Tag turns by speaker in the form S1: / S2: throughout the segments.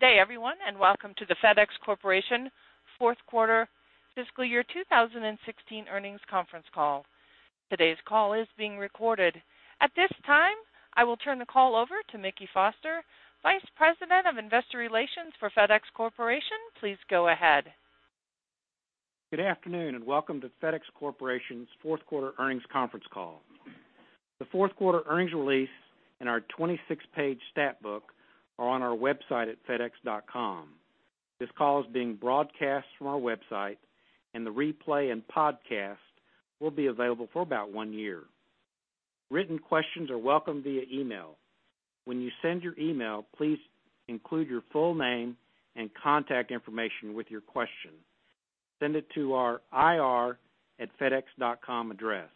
S1: Good day everyone and welcome to the FedEx Corporation Q4 fiscal year 2016 earnings conference call. Today's call is being recorded. At this time, I will turn the call over to Mickey Foster, Vice President of Investor Relations for FedEx Corporation. Please go ahead.
S2: Good afternoon and welcome to FedEx Corporation's Q4 earnings conference call. The Q4 earnings release in our 26-page Stat Book are on our website at fedex.com. This call is being broadcast from our website and the replay and podcast will be available for about one year. Written questions are welcomed via email. When you send your email, please include your full name and contact information with your question. Send it to our ir.fedex.com address.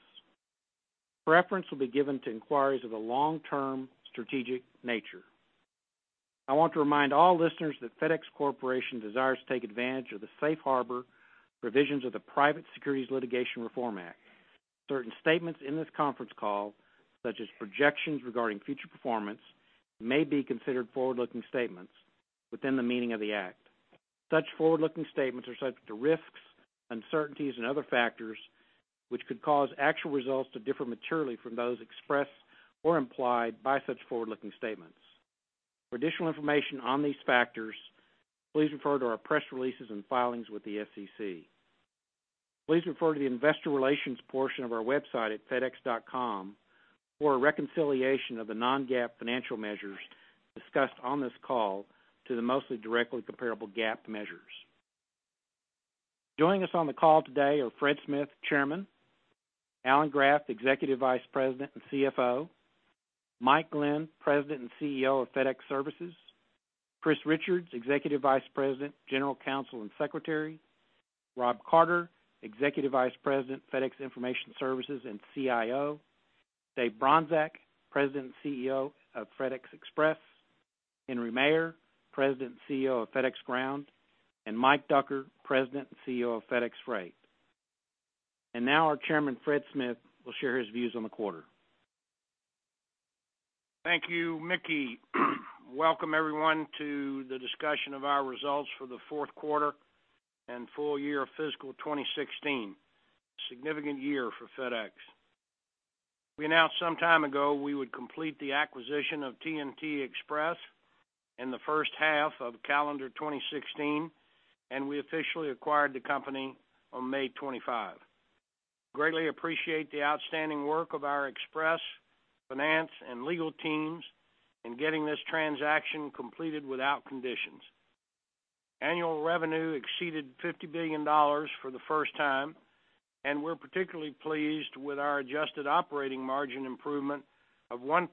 S2: Preference will be given to inquiries of a long-term strategic nature. I want to remind all listeners that FedEx Corporation desires to take advantage of the safe harbor provisions of the Private Securities Litigation Reform Act. Certain statements in this conference call, such as projections regarding future performance, may be considered forward-looking statements within the meaning of the Act. Such forward-looking statements are subject to risks, uncertainties and other factors which could cause actual results to differ materially from those expressed or implied by such forward-looking statements. For additional information on these factors, please refer to our press releases and filings with the SEC. Please refer to the Investor Relations portion of our website at fedex.com for a reconciliation of the non-GAAP financial measures discussed on this call to the most directly comparable GAAP measures. Joining us on the call today are Fred Smith, Chairman; Alan Graf, Executive Vice President and CFO; Mike Glenn, President and CEO of FedEx Services; Chris Richards, Executive Vice President, General Counsel and Secretary; Rob Carter, Executive Vice President, FedEx Information Services and CIO; Dave Bronczek, President and CEO of FedEx Express; Henry Maier, President and CEO of FedEx Ground; and Mike Ducker, President and CEO of FedEx Freight. Now our Chairman Fred Smith will share his views on the quarter.
S3: Thank you, Mickey. Welcome everyone to the discussion of our results for the Q4 and full year fiscal 2016, significant year for FedEx. We announced some time ago we would complete the acquisition of TNT Express in the first half of calendar 2016, and we officially acquired the company on May 25th. Greatly appreciate the outstanding work of our Express Finance and legal teams in getting this transaction completed without conditions. Annual revenue exceeded $50 billion for the first time, and we're particularly pleased with our adjusted operating margin improvement of 1%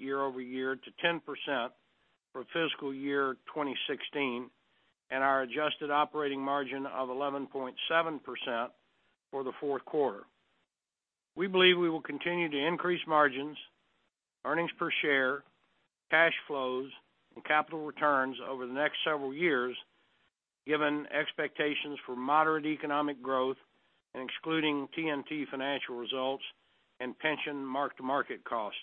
S3: year-over-year to 10% for fiscal year 2016 and our adjusted operating margin of 11.7% for the Q4. We believe we will continue to increase margins, earnings per share, cash flows and capital returns over the next several years. Given expectations for moderate economic growth and excluding TNT financial results and pension mark-to-market costs,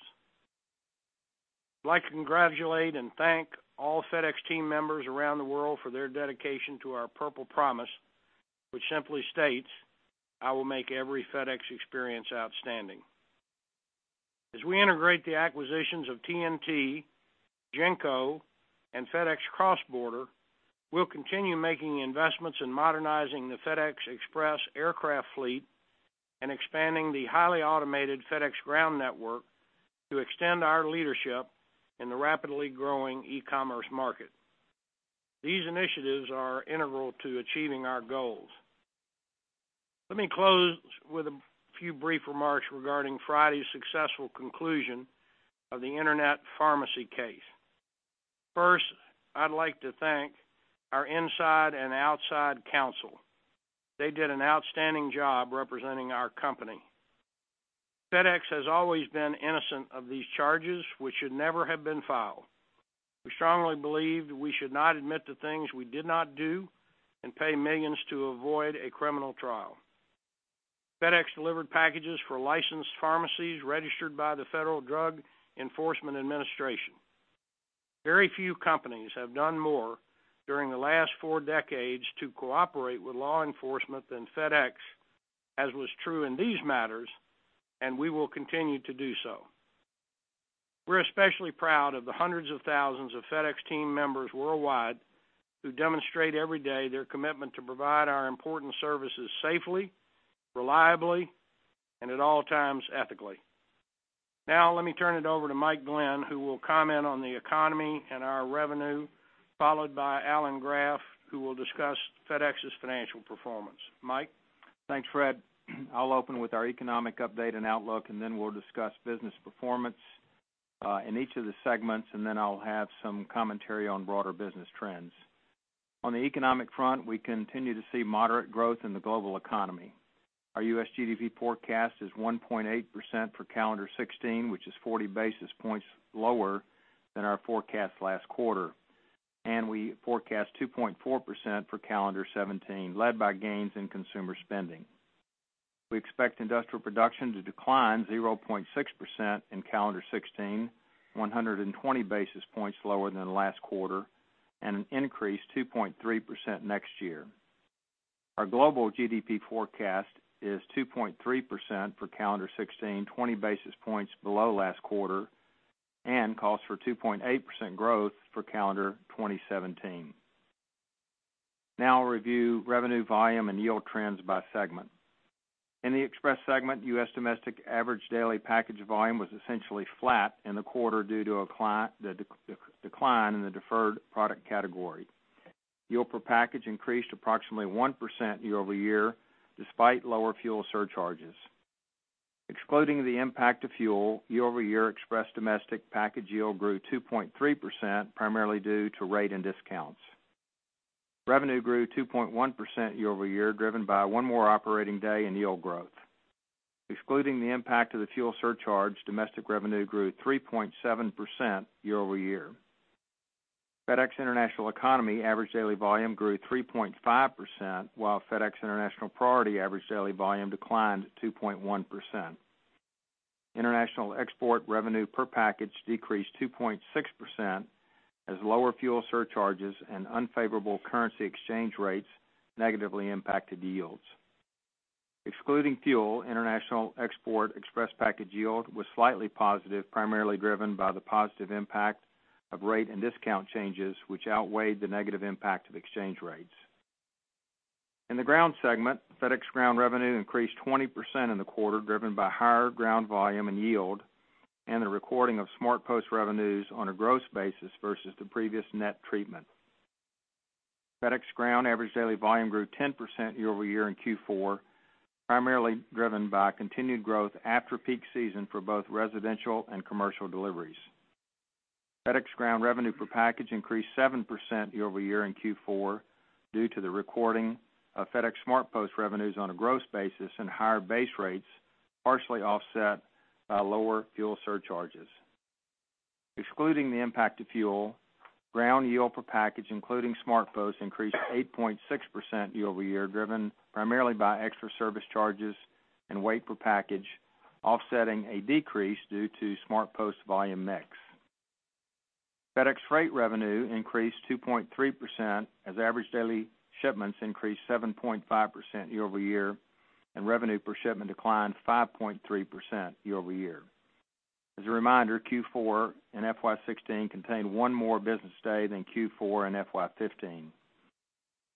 S3: I'd like to congratulate and thank all FedEx team members around the world for their dedication to our Purple Promise, which simply states, I will make every FedEx experience outstanding as we integrate the acquisitions of TNT, GENCO and FedEx Cross Border. We'll continue making investments in modernizing the FedEx Express aircraft fleet and expanding the highly automated FedEx Ground network to extend our leadership in the rapidly growing e-commerce market. These initiatives are integral to achieving our goals. Let me close with a few brief remarks regarding Friday's successful conclusion of the Internet pharmacy case. First, I'd like to thank our inside and outside counsel. They did an outstanding job representing our company. FedEx has always been innocent of these charges which should never have been filed. We strongly believe we should not admit to things we did not do and pay millions to avoid a criminal trial. FedEx delivered packages for licensed pharmacies registered by the Drug Enforcement Administration. Very few companies have done more during the last four decades to cooperate with law enforcement than FedEx, as was true in these matters and we will continue to do so. We're especially proud of the hundreds of thousands of FedEx team members worldwide who demonstrate every day their commitment to provide our important services safely, reliably and at all times ethically. Now let me turn it or to Mike Glenn who will comment on the economy and our revenue, followed by Alan Graf who will discuss FedEx's financial performance. Mike.
S4: Thanks Fred. I'll open with our economic update and outlook and then we'll discuss business performance in each of the segments and then I'll have some commentary on broader business trends. On the economic front, we continue to see moderate growth in the global economy. Our U.S. GDP forecast is 1.8% for calendar 2016, which is 40 basis points lower than our forecast last quarter, and we forecast 2.4% for calendar 2017, led by gains in consumer spending. We expect industrial production to decline 0.6% in calendar 2016, which is 120 basis points lower than last quarter, and an increase of 2.3% next year. Our global GDP forecast is 2.3% for calendar 2016, 20 basis points below last quarter, and calls for 2.8% growth for calendar 2017. Now I'll review revenue volume and yield trends by segment. In the Express segment, U.S. Domestic average daily package volume was essentially flat in the quarter due to decline in the deferred product category. Yield per package increased approximately 1% year-over-year despite lower fuel surcharges. Excluding the impact of fuel year-over-year, Express domestic package yield grew 2.3% primarily due to rate and discounts. Revenue grew 2.1% year-over-year driven by one more operating day in yield growth. Excluding the impact of the fuel surcharge, domestic revenue grew 3.7% year-over-year. FedEx International Economy average daily volume grew 3.5% while FedEx International Priority average daily volume declined 2.1%. International export revenue per package decreased 2.6% as lower fuel surcharges and unfavorable currency exchange rates negatively impacted yields. Excluding fuel, International Export Express package yield was slightly positive, primarily driven by the positive impact of rate and discount changes which outweighed the negative impact of exchange rates in the Ground segment. FedEx Ground revenue increased 20% in the quarter driven by higher ground volume and yield and the recording of FedEx SmartPost revenues on a gross basis versus the previous net treatment. FedEx Ground average daily volume grew 10% year-over-year in Q4, primarily driven by continued growth after peak season for both residential and commercial deliveries. FedEx Ground revenue per package increased 7% year-over-year in Q4 due to the recording of FedEx SmartPost revenues on a gross basis and higher base rates, partially offset by lower fuel surcharges. Excluding the impact of fuel, ground yield per package including SmartPost increased 8.6% year-over-year driven primarily by extra service charges and weight per package, offsetting a decrease due to SmartPost volume mix. FedEx Freight revenue increased 2.3% as average daily shipments increased 7.5% year-over-year and revenue per shipment declined 5.3% year-over-year. As a reminder, Q4 and FY 2016 contained one more business day than Q4 and FY 2015.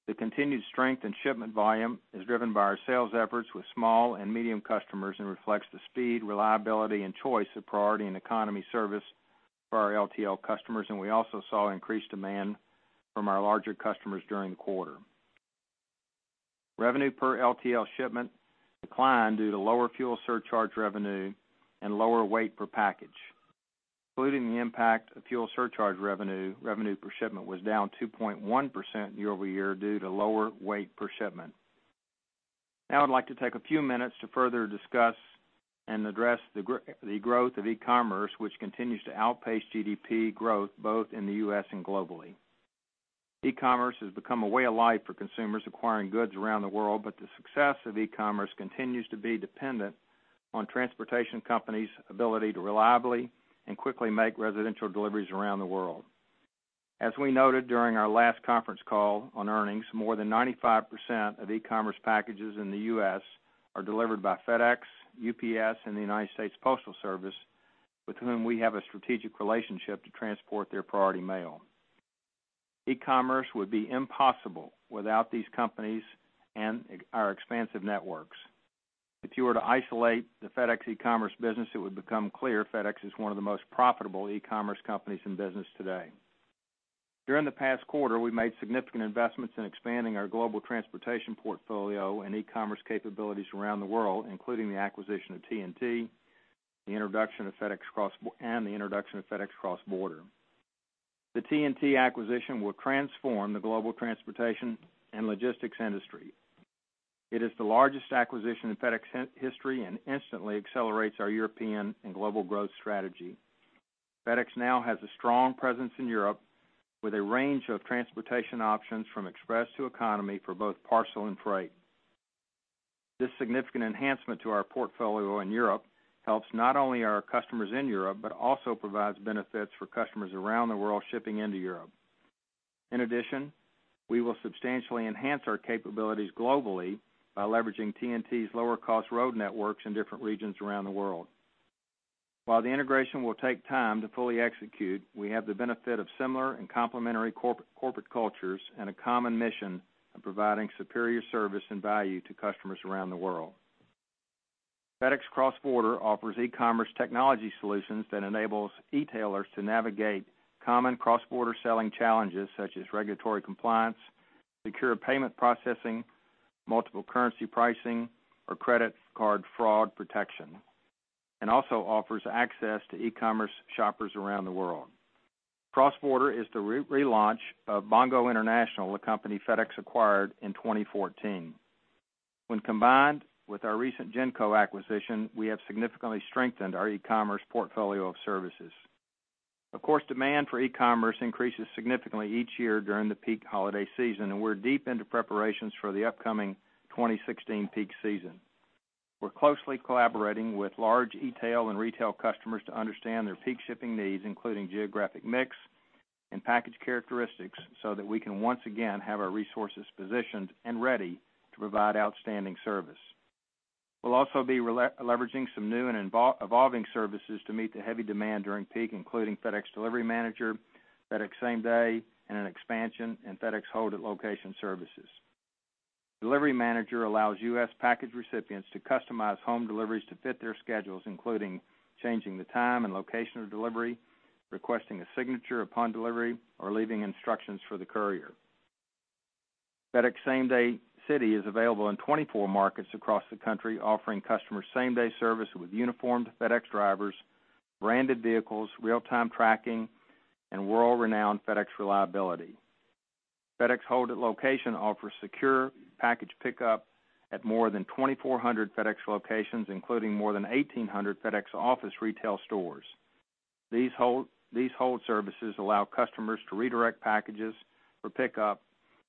S4: The continued strength in shipment volume is driven by our sales efforts with small and medium customers and reflects the strong speed, reliability, and choice of priority and economy service for our LTL customers. And we also saw increased demand from our larger customers during the quarter. Revenue per LTL shipment declined due to lower fuel surcharge revenue and lower weight per package, including the impact of fuel surcharge revenue. Revenue per shipment was down 2.1% year-over-year due to lower weight per shipment. Now I'd like to take a few minutes to further discuss and address the growth of e-commerce, which continues to outpace GDP growth both in the U.S. and globally. E-commerce has become a way of life for consumers acquiring goods around the world, but the success of e-commerce continues to be dependent on transportation companies' ability to reliably and quickly make residential deliveries around the world. As we noted during our last conference call on earnings, more than 95% of e-commerce packages in the U.S. are delivered by FedEx, UPS and the United States Postal Service, with whom we have a strategic relationship to transport their priority mail. E-commerce would be impossible without these companies and our expansive networks. If you were to isolate the FedEx e-commerce business, it would become clear FedEx is one of the most profitable e-commerce companies in business today. During the past quarter, we made significant investments in expanding our global transportation portfolio and e-commerce capabilities around the world, including the acquisition of TNT and the introduction of FedEx Cross Border. The TNT acquisition will transform the global transportation and logistics industry. It is the largest acquisition in FedEx history and instantly accelerates our European and global growth strategy. FedEx now has a strong presence in Europe with a range of transportation options from express to economy for both parcel and freight. This significant enhancement to our portfolio in Europe helps not only our customers in Europe, but also provides benefits for customers around the world shipping into Europe. In addition, we will substantially enhance our capabilities globally by leveraging TNT's lower cost road networks in different regions around the world. While the integration will take time to fully execute, we have the benefit of similar and complementary corporate cultures and a common mission of providing superior service and value to customers around the world. FedEx Cross Border offers e-commerce technology solutions that enables e-tailers to navigate common cross-border selling challenges such as regulatory compliance, secure payment processing, multiple currency pricing, or credit card fraud protection, and also offers access to e-commerce shoppers around the world. Cross Border is the relaunch of Bongo International, a company FedEx acquired in 2014. When combined with our recent GENCO acquisition, we have significantly strengthened our e-commerce portfolio of services. Of course, demand for e-commerce increases significantly each year during the peak holiday season and we're deep into preparations for the upcoming 2016 peak season. We're closely collaborating with large e-tail and retail customers to understand their peak shipping needs, including geographic mix and package characteristics, so that we can once again have our resources positioned and ready to provide outstanding service. We'll also be leveraging some new and evolving services to meet the heavy demand during peak, including FedEx Delivery Manager, FedEx SameDay and an expansion in FedEx Hold at Location services. Delivery Manager allows U.S. package recipients to customize home deliveries to fit their schedules, including changing the time and location of delivery, requesting a signature upon delivery, or leaving instructions for the courier. FedEx SameDay City is available in 24 markets across the country offering customer same-day service with uniformed FedEx drivers, branded vehicles, real-time tracking and world-renowned FedEx reliability. FedEx Hold at Location offers secure package pickup and at more than 2,400 FedEx locations including more than 1,800 FedEx Office retail stores. These hold services allow customers to redirect packages for pickup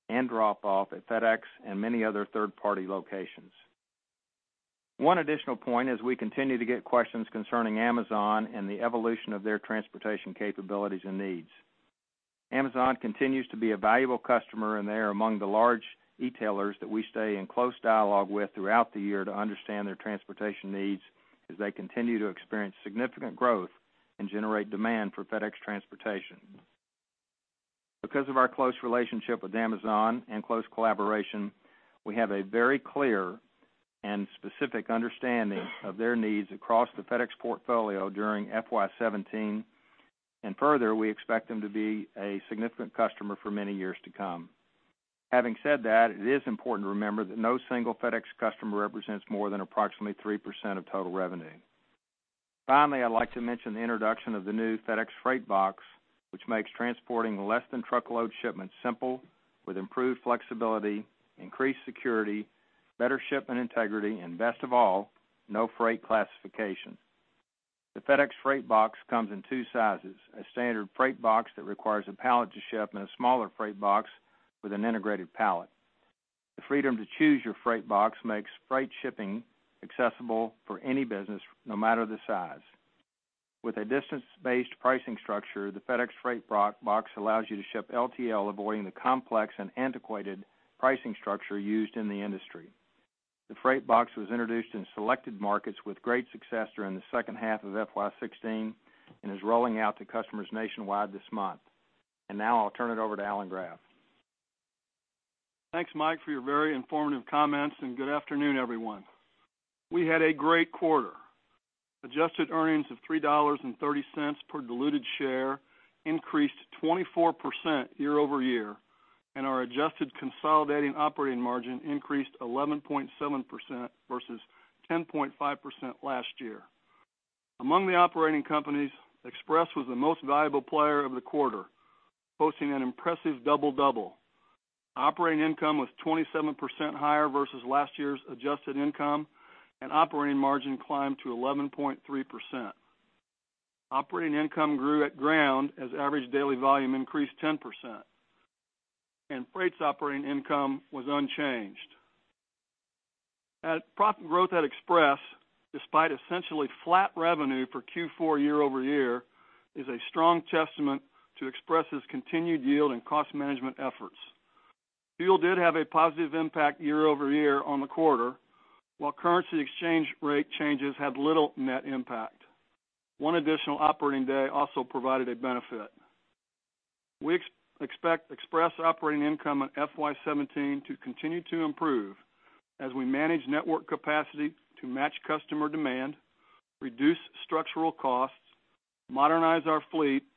S4: and drop off at FedEx and many other third-party locations. One additional point is we continue to get questions concerning Amazon and the evolution of their transportation capabilities and needs. Amazon continues to be a valuable customer and they are among the largest e-tailers that we stay in close dialogue with throughout the year to understand their transportation needs as they continue to experience significant growth and generate demand for FedEx transportation. Because of our close relationship with Amazon and close collaboration, we have a very clear and specific understanding of their needs across the FedEx portfolio during FY 2017 and further we expect them to be a significant customer for many years to come. Having said that, it is important to remember that no single FedEx customer represents more than approximately 3% of total revenue. Finally, I'd like to mention the introduction of the new FedEx Freight Box which makes transporting less-than-truckload shipments simple with improved flexibility, increased security, better shipment integrity and best of all, no freight classification. The FedEx Freight Box comes in two sizes, a standard freight box that requires a pallet to ship and a smaller freight box with an integrated pallet. The freedom to choose your freight box makes freight shipping accessible for any business no matter the size. With a distance-based pricing structure, the FedEx Freight Box allows you to ship LTL, avoiding the complex and antiquated pricing structure used in the industry. The Freight Box was introduced in selected markets with great success during the second half of FY 2016 and is rolling out to customers nationwide this month. And now I'll turn it over to Alan Graf.
S5: Thanks, Mike, for your very informative comments and good afternoon everyone. We had a great quarter. Adjusted earnings of $3.30 per diluted share increased 24% year-over-year and our adjusted consolidating operating margin increased 11.7% versus 10.5% last year. Among the operating companies, Express was the most valuable player of the quarter posting an impressive double double. Operating income was 27% higher versus last year's adjusted income and operating margin climbed to 11.3%. Operating income grew at Ground as average daily volume increased 10% and Freight's operating income was unchanged. Profit growth at Express despite essentially flat revenue for Q4 year-over-year is a strong testament to Express's continued yield and cost management efforts. Fuel did have a positive impact year-over-year on the quarter, while currency exchange rate changes had little net impact. One additional operating day also provided a benefit. We expect Express operating income at FY 2017 to continue to improve as we manage network capacity to match customer demand, reduce structural costs, modernize our fleet and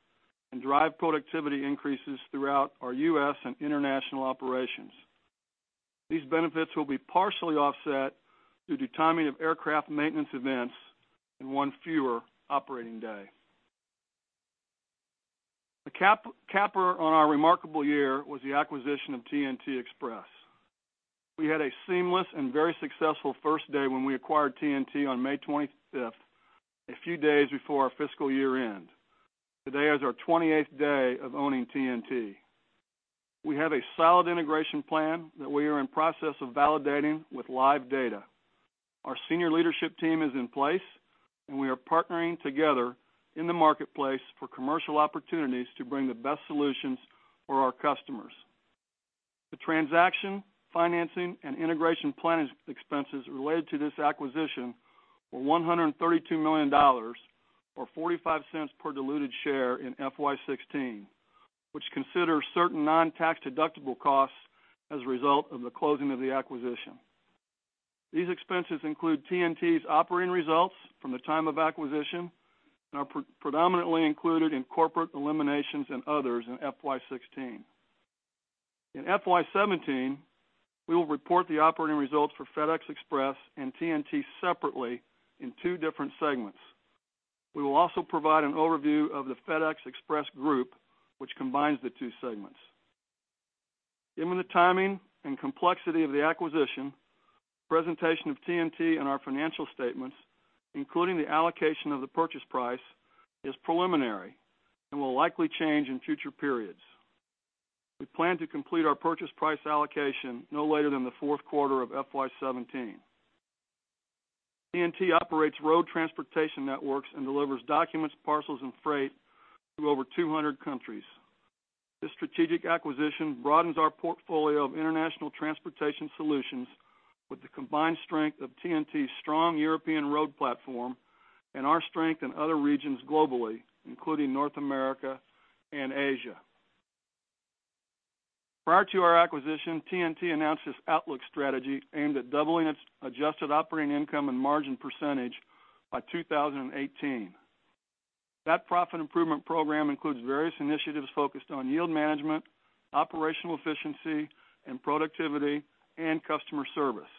S5: drive productivity increases throughout our U.S. and international operations. These benefits will be partially offset due to timing of aircraft maintenance events and one fewer operating day. The capper on our remarkable year was the acquisition of TNT Express. We had a seamless and very successful first day when we acquired TNT on May 25, a few days before our fiscal year end. Today is our 28th day of owning TNT. We have a solid integration plan that we are in process of validating with live data. Our senior leadership team is in place and we are partnering together in the marketplace for commercial opportunities to bring the best solutions for our customers. The transaction financing and integration planning expenses related to this acquisition were $132 million or $0.45 per diluted share in FY 2016, which considers certain non-tax-deductible costs as a result of the closing of the acquisition. These expenses include TNT's operating results from the time of acquisition and are predominantly included in corporate eliminations and others in FY 2016. In FY 2017, we will report the operating results for FedEx Express and TNT separately in two different segments. We will also provide an overview of the FedEx Express group which combines the two segments. Given the timing and complexity of the acquisition, presentation of TNT and our financial statements including the allocation of the purchase price is preliminary and will likely change in future periods. We plan to complete our purchase price allocation no later than the Q4 of FY 2017. TNT operates road transportation networks and delivers documents, parcels and freight to over 200 countries. This strategic acquisition broadens our portfolio of international transportation solutions with the combined strength of TNT's strong European road platform and our strength in other regions globally, including North America and Asia. Prior to our acquisition, TNT announced its outlook strategy aimed at doubling its adjusted operating income and margin percentage by 2018. That profit improvement program includes various initiatives focused on yield management, operational efficiency and productivity and customer service.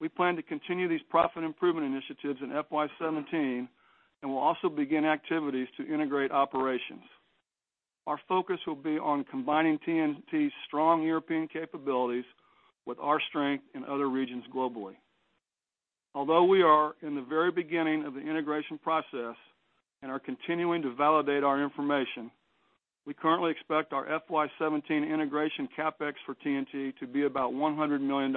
S5: We plan to continue these profit improvement initiatives in FY 2017 and will also begin activities to integrate operations. Our focus will be on combining TNT's strong European capabilities with our strength in other regions globally. Although we are in the very beginning of the integration process and are continuing to validate our information, we currently expect our FY 2017 integration CapEx for TNT to be about $100 million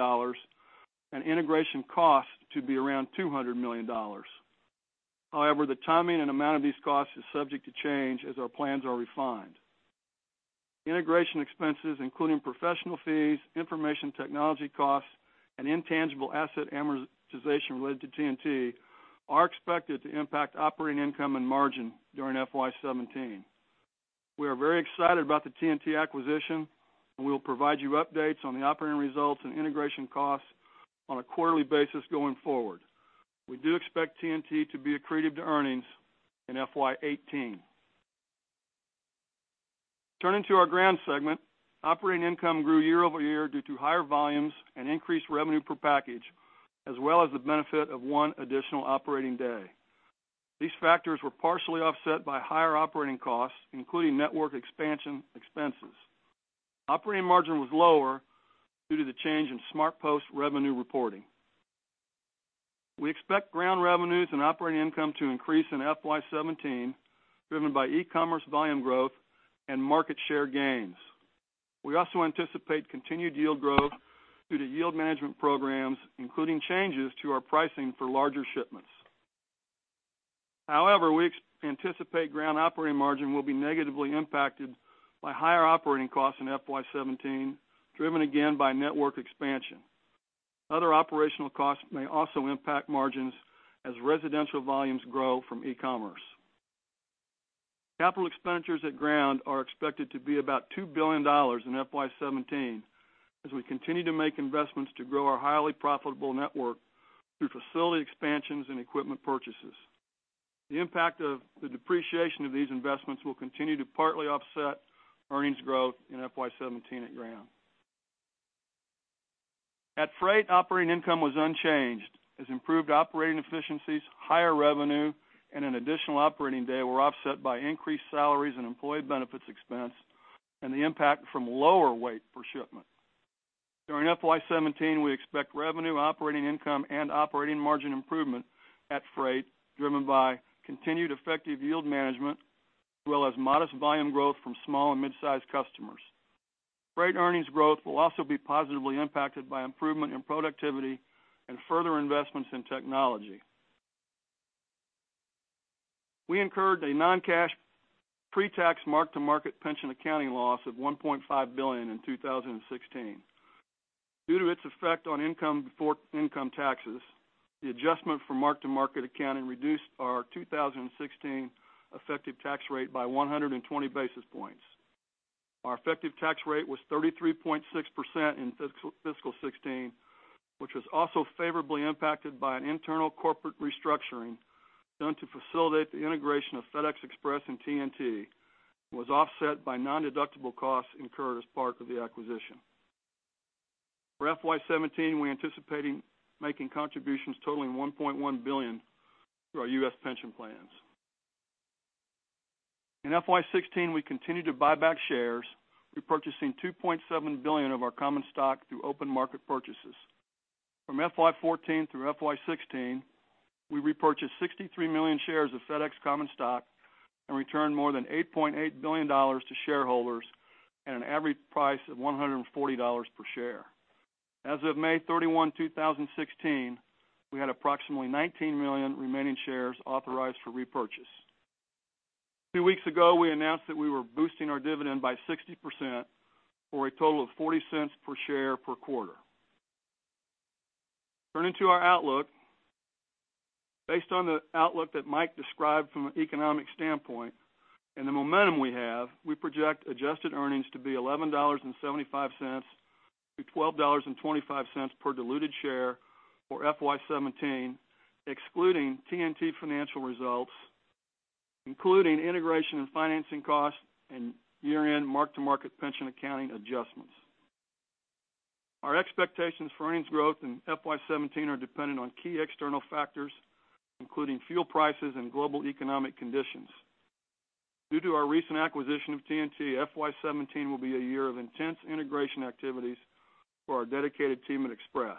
S5: and integration cost to be around $200 million. However, the timing and amount of these costs is subject to change as our plans are refined. Integration expenses, including professional fees, information technology costs and intangible asset amortization related to TNT are expected to impact operating income and margin during FY 2017. We are very excited about the TNT acquisition and we will provide you updates on the operating results and integration costs on a quarterly basis going forward. We do expect TNT to be accretive to earnings in FY 2018. Turning to our ground segment, operating income grew year-over-year due to higher volumes and increased revenue per package as well as the benefit of one additional operating day. These factors were partially offset by higher operating costs including network expansion expenses. Operating margin was lower due to the change in SmartPost revenue reporting. We expect ground revenues and operating income to increase in FY 2017 driven by e-commerce volume growth and market share gains. We also anticipate continued yield growth due to yield management programs including changes to our pricing for larger shipments. However, we anticipate ground operating margin will be negatively impacted by higher operating costs in FY 2017 driven again by network expansion. Other operational costs may also impact margins as residential volumes grow from e-commerce. Capital expenditures at Ground are expected to be about $2 billion in FY 2017 as we continue to make investments to grow our highly profitable network through facility expansions and equipment purchases. The impact of the depreciation of these investments will continue to partly offset earnings growth in FY 2017 at Ground. At Freight, operating income was unchanged as improved operating efficiencies, higher revenue and an additional operating day were offset by increased salaries and employee benefits, expense and the impact from lower weight per shipment during FY 2017. We expect revenue operating income and operating margin improvement at Freight driven by continued effective yield management as well as modest volume growth from small and midsize customers. Freight earnings growth will also be positively impacted by improvement in productivity and further investments in technology. We incurred a non-cash pre-tax mark-to-market pension accounting loss of $1.5 billion in 2016 due to its effect on income before income taxes. The adjustment for mark-to-market accounting reduced our 2016 effective tax rate by 120 basis points. Our effective tax rate was 33.6% in fiscal 16, which was also favorably impacted by an internal corporate restructuring done to facilitate the integration of FedEx Express and TNT, was offset by non-deductible costs incurred as part of the acquisition. For FY 2017, we anticipate making contributions totaling $1.1 billion through our U.S. pension plans. In FY 2016, we continue to buy back shares, repurchasing $2.7 billion of our common stock through open market purchases. From FY 2014 through FY 2016, we repurchased 63 million shares of FedEx common stock and returned more than $8.8 billion to shareholders at an average price of $140 per share. As of May 31, 2016, we had approximately 19 million remaining shares authorized for repurchase. Two weeks ago, we announced that we were boosting our dividend by 60% for a total of $0.40 per share per quarter. Turning to our outlook, based on the outlook that Mike described from an economic standpoint and the momentum we have, we project adjusted earnings to be $11.75-$12.25 per diluted share or FY 2017, excluding TNT financial results, including integration and financing costs and year-end mark-to-market pension accounting adjustments. Our expectations for earnings growth in FY 2017 are dependent on key external factors including fuel prices and global economic conditions. Due to our recent acquisition of TNT, FY 2017 will be a year of intense integration activities for our dedicated team at Express.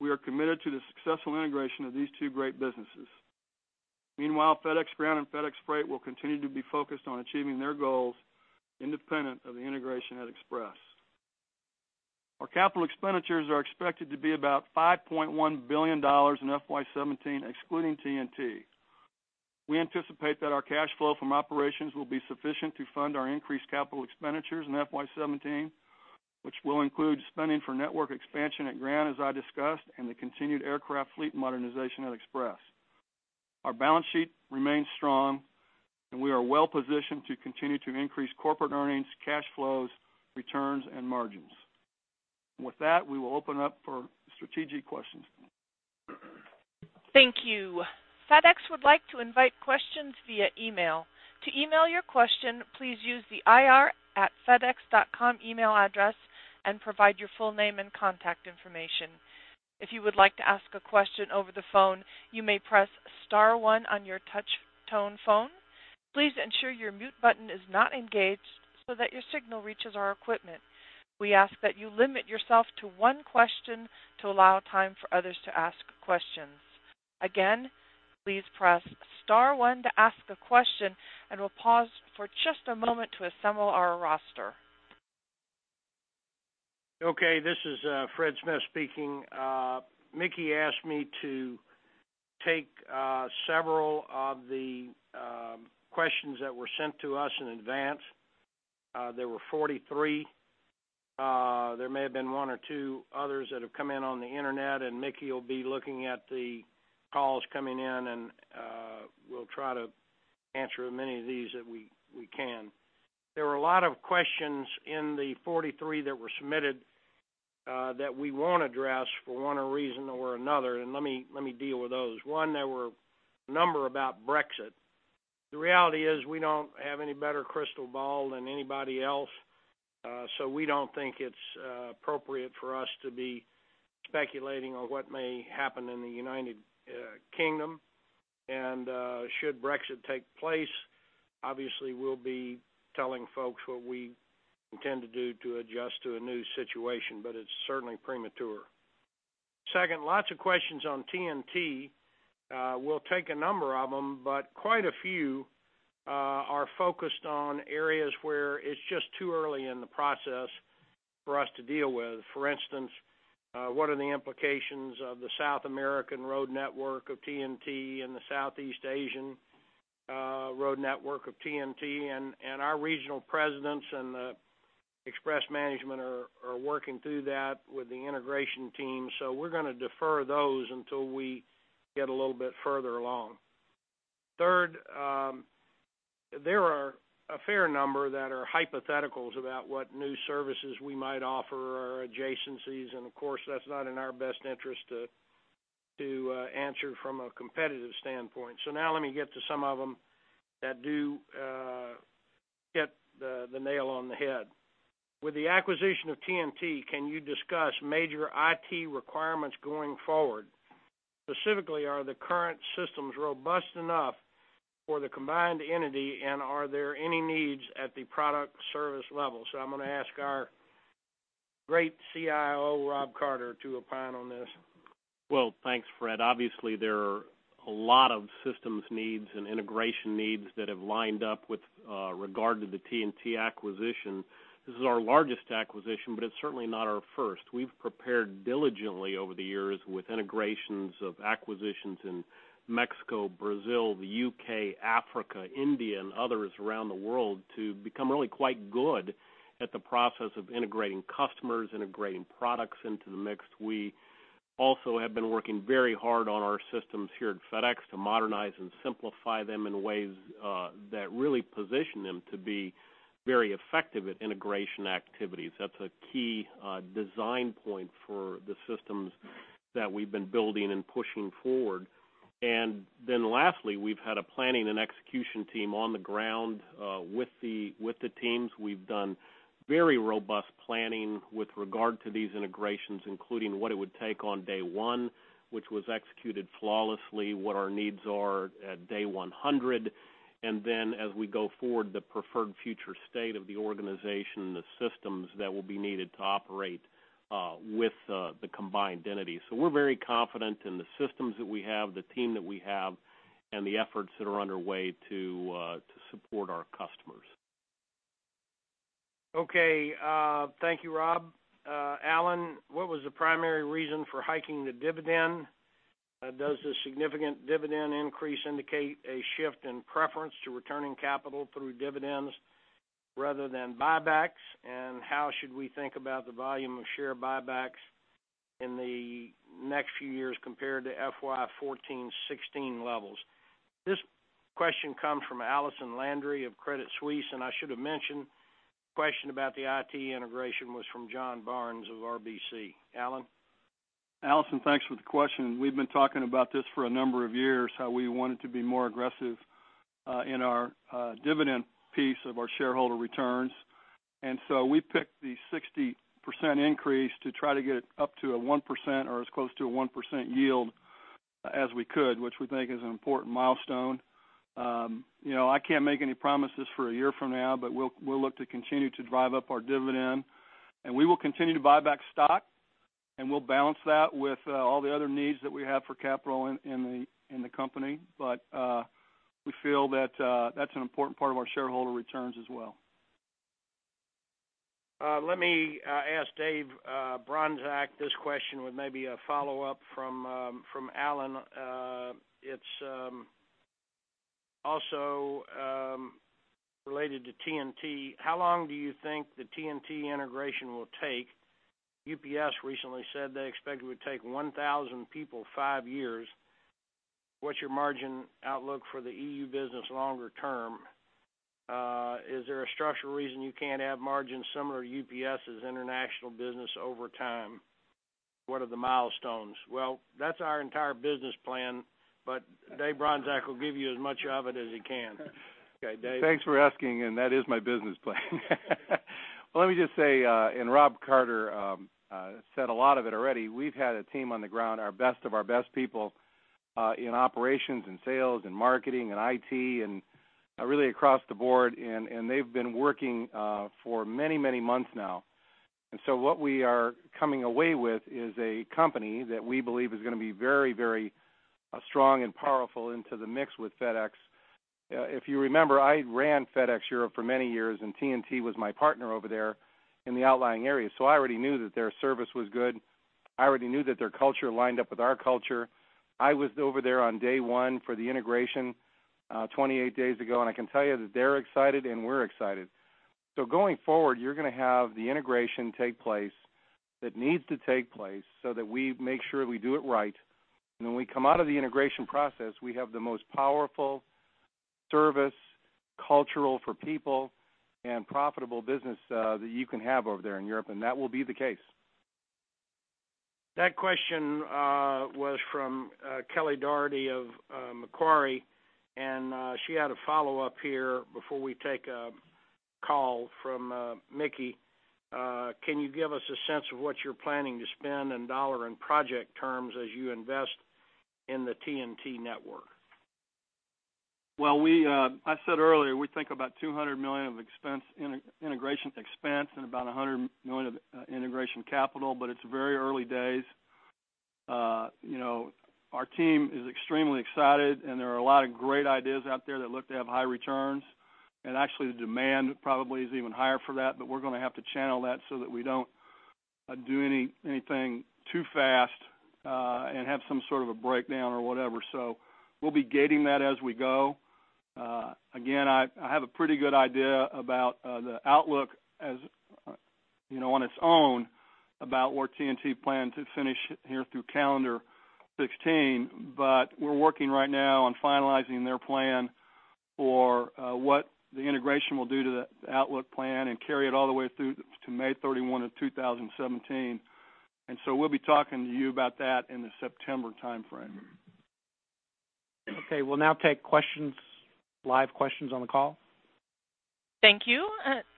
S5: We are committed to the successful integration of these two great businesses. Meanwhile, FedEx Ground and FedEx Freight will continue to be focused on achieving their goals independent of the integration at Express. Our capital expenditures are expected to be about $5.1 billion in FY 2017, excluding TNT. We anticipate that our cash flow from operations will be sufficient to fund our increased capital expenditures in FY 2017, which will include spending for network expansion at Ground. As I discussed, and the continued aircraft fleet modernization at Express. Our balance sheet remains strong and we are well positioned to continue to increase corporate earnings, cash flows, returns and margins. With that, we will open up for strategic questions.
S1: Thank you. FedEx would like to invite questions via email. To email your question, please use the fedex.com email address and provide your full name and contact information. If you would like to ask a question over the phone, you may press star one on your touch tone phone. Please ensure your mute button is not engaged so that your signal reaches our equipment. We ask that you limit yourself to one question to allow time for others to ask questions again. Please press star one to ask a question, and we'll pause for just a moment to assemble our roster.
S3: Okay, this is Fred Smith speaking. Mickey asked me to take several of the questions that were sent to us in advance. There were 43. There may have been one or two others that have come in on the Internet and Mickey will be looking at the calls coming in and we'll try to answer as many of these as we can. There were a lot of questions in the 43 that were submitted that we won't address for one reason or another. Let me deal with those. One, there were a number about Brexit. The reality is we don't have any better crystal ball than anybody else. So we don't think it's appropriate for us to be speculating on what may happen in the United Kingdom and should Brexit take place. Obviously we'll be telling folks what we intend to do to adjust to a new situation, but it's certainly premature. Second, lots of questions on TNT. We'll take a number of them, but quite a few are focused on areas where it's just too early in the process for us to deal with. For instance, what are the implications of the South American road network of TNT in the Southeast Asian road network of TNT? And our regional presidents and Express management are working through that with the integration team. So we're going to defer those until we get a little bit further along. Third, there are a fair number that are hypotheticals about what new services we might offer or adjacencies. And of course that's not in our best interest to, to answer from a competitive standpoint. So now let me get to some of them that do get the nail on the head with the acquisition of TNT. Can you discuss major IT requirements going forward? Specifically, are the current systems robust enough for the combined entity and are there any needs at the product service level? So I'm going to ask our great CIO, Rob Carter to opine on this.
S6: Well, thanks, Fred. Obviously there are a lot of systems needs and integration needs that have lined up with regard to the TNT acquisition. This is our largest acquisition, but it's certainly not our first. We've prepared diligently over the years with integrations of acquisitions in Mexico, Brazil, the U.K., Africa, India and others around the world to become really quite good at the process of integrating customers, integrating products into the mix. We also have been working very hard on our systems here at FedEx to modernize and simplify them in ways that really position them to be very effective at integration activities. That's a key design point for the systems that we've been building and pushing forward. And then lastly, we've had a planning and execution team on the ground with the teams. We've done very robust planning with regard to these integrations, including what it would take on day one, which was executed flawlessly, what our needs are at day 100 and then as we go forward, the preferred future state of the organization, the systems that will be needed to operate with the combined entity. So we're very confident in the systems that we have, the team that we have, and the efforts that are underway to support our customers.
S3: Okay, thank you. Rob. Allen, what was the primary reason for hiking the dividend? Does the significant dividend increase indicate a shift in preference to returning capital through dividends rather than buybacks? And how should we think about the volume of share buybacks in the next few years compared to FY 2014-2016 levels? This question comes from Allison Landry of Credit Suisse. And I should have mentioned question about the IT integration was from John Barnes of RBC. Alan.
S5: Allison, thanks for the question. We've been talking about this for a number of years how we wanted to be more aggressive in our dividend piece of our shareholder returns. So we picked the 60% increase to try to get up to a 1% or as close to a 1% yield as we could, which we think is an important milestone. I can't make any promises for a year from now, but we'll look to continue to drive up our dividend and we will continue to buy back stock and we'll balance that with all the other needs that we have for capital in the company. But we feel that that's an important part of our shareholder returns as well.
S3: Let me ask Dave Bronczek this question with maybe a follow up from Alan. It's also related to TNT. How long do you think the TNT integration will take? UPS recently said they expect it would take 1,000 people 5 years. What's your margin outlook for the EU business longer term? Is there a structural reason you can't have margins similar to UPS's international business over time? What are the milestones? Well, that's our entire business plan, but Dave Bronczek will give you as much of it as he can.
S7: Thanks for asking. That is my business plan. me just say, and Rob Carter said. A lot of it already, we've had. A team on the ground, our best of our best people in operations and sales and marketing and IT and really across the board. They've been working for many, many months now. So what we are coming away with is a company that we believe is going to be very, very strong and powerful into the mix with FedEx. If you remember, I ran FedEx Europe for many years and TNT was my partner over there in the outlying area. So I already knew that their service was good. I already knew that their culture lined. Up with our culture. I was over there on day one for the integration 28 days ago and I can tell you that they're excited and we're excited. So going forward you're going to have the integration take place that needs to take place so that we make sure we do it right when we come out of the integration process. We have the most powerful service culture for people and profitable business that you. Can have over there in Europe.
S3: That will be the case. That question was from Kelly Dougherty of Macquarie and she had a follow-up here. Before we take a call from Mickey, can you give us a sense of what you're planning to spend in dollar and project terms as you invest in the TNT network?
S2: Well, I said earlier we think about $200 million of expenses, integration expense and about $100 million of integration capital. But it's very early days. Our team is extremely excited and there are a lot of great ideas out there that look to have high returns and actually the demand probably is even higher for that. But we're going to have to channel that so that we don't do anything too fast and have some sort of a breakdown or whatever. So we'll be gating that as we go. Again, I have a pretty good idea about the outlook on its own about where TNT planned to finish here through calendar 2016. But we're working right now on finalizing their plan for what the integration will do to the outlook plan and carry it all the way through to May 31st of 2017. And so we'll be talking to you about that in the September timeframe. Okay.
S3: We'll now take questions live. Questions on the call.
S1: Thank you.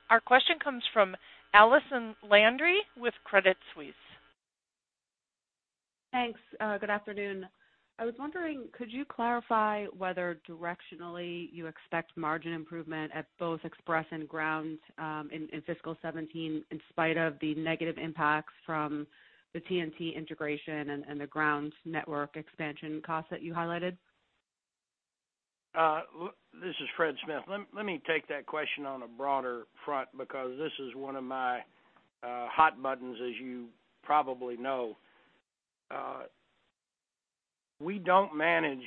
S1: Our question comes from Allison Landry with Credit Suisse. Thanks.
S8: Good afternoon. I was wondering, could you clarify whether directionally you expect margin improvement at both Express and ground in fiscal 2017 in spite of the negative impacts from the TNT integration and the ground network expansion cost that you highlighted?
S3: This is Fred Smith. Let me take that question on a broader front because this is one of my hot buttons. As you probably know, we don't manage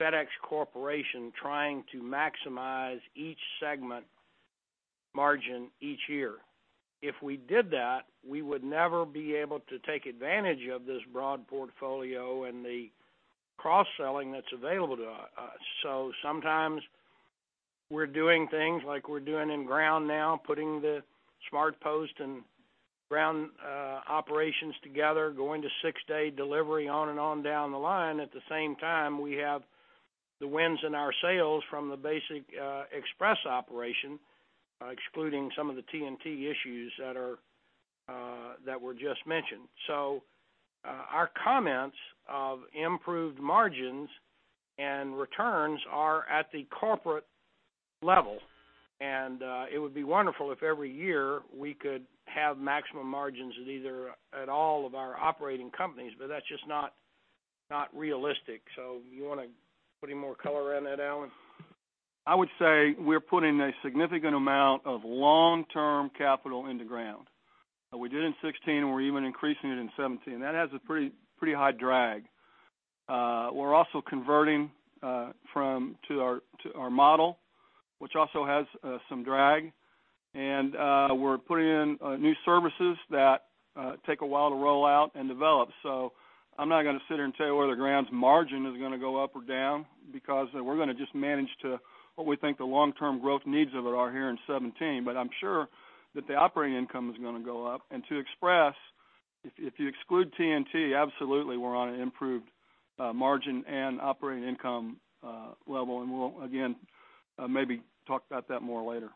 S3: FedEx Corporation trying to maximize each segment margin each year. If we did that, we would never be able to take advantage of this broad portfolio and the cross selling that's available to us. So sometimes we're doing things like we're doing in ground now, putting the smart post and ground operations together, going to six-day delivery on and on down the line at the same time we have the winds in our sails from the basic express operation, excluding some of the TNT issues that were just mentioned. So our comments of improved margins and returns are at the corporate level and it would be wonderful if every year we could have maximum margins at all of our operating companies. But that's just not realistic. So you want to put more color on that, Alan?
S5: I would say we're putting a significant amount of long-term capital into Ground. We did in 2016 and we're even increasing it in 2017. That has a pretty high drag. We're also converting to our model which also has some drag and we're putting in new services that take a while to roll out and develop. So I'm not going to sit here and tell you whether the Ground's margin is going to go up or down because we're going to just manage to what we think the long-term growth needs of it are here in 2017. But I'm sure that the operating income is going to go up and to Express if you exclude TNT. Absolutely. We're on an improved margin and operating income level and we'll again maybe talk about that more later.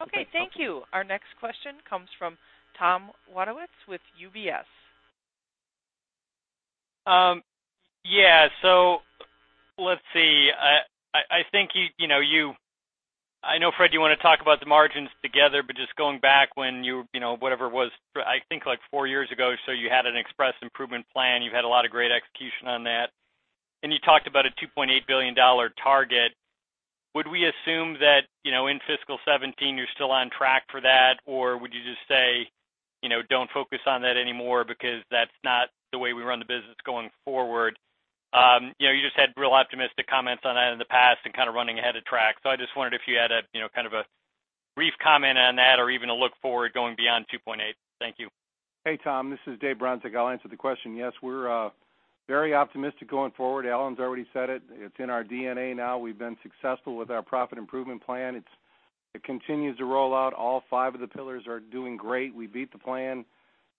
S1: Okay, thank you. Our next question comes from Thomas Wadewitz with UBS.
S9: Yeah, so let's see. I think you know, you, I know Fred, you want to talk about the margins together, but just going back when you, you know, whatever it was, I think like four years ago. So you had an express improvement plan. You've had a lot of great execution on that and you talked about a $2.8 billion target. Would we assume that in fiscal 2017 you're still on track for that or would you just say don't focus on that anymore because that's not the way we run the business going forward? You just had real optimistic comments on that in the past and kind of running ahead of track. So I just wondered if you had kind of a brief comment on that or even a look forward going beyond 2.8.
S7: Thank you. Hey Tom, this is Dave Bronczek. I'll answer the question. Yes, we're very optimistic going forward. Alan's already said it. It's in our DNA now. We've been successful with our profit improvement plan. It continues to roll out. All five of the pillars are doing great. We beat the plan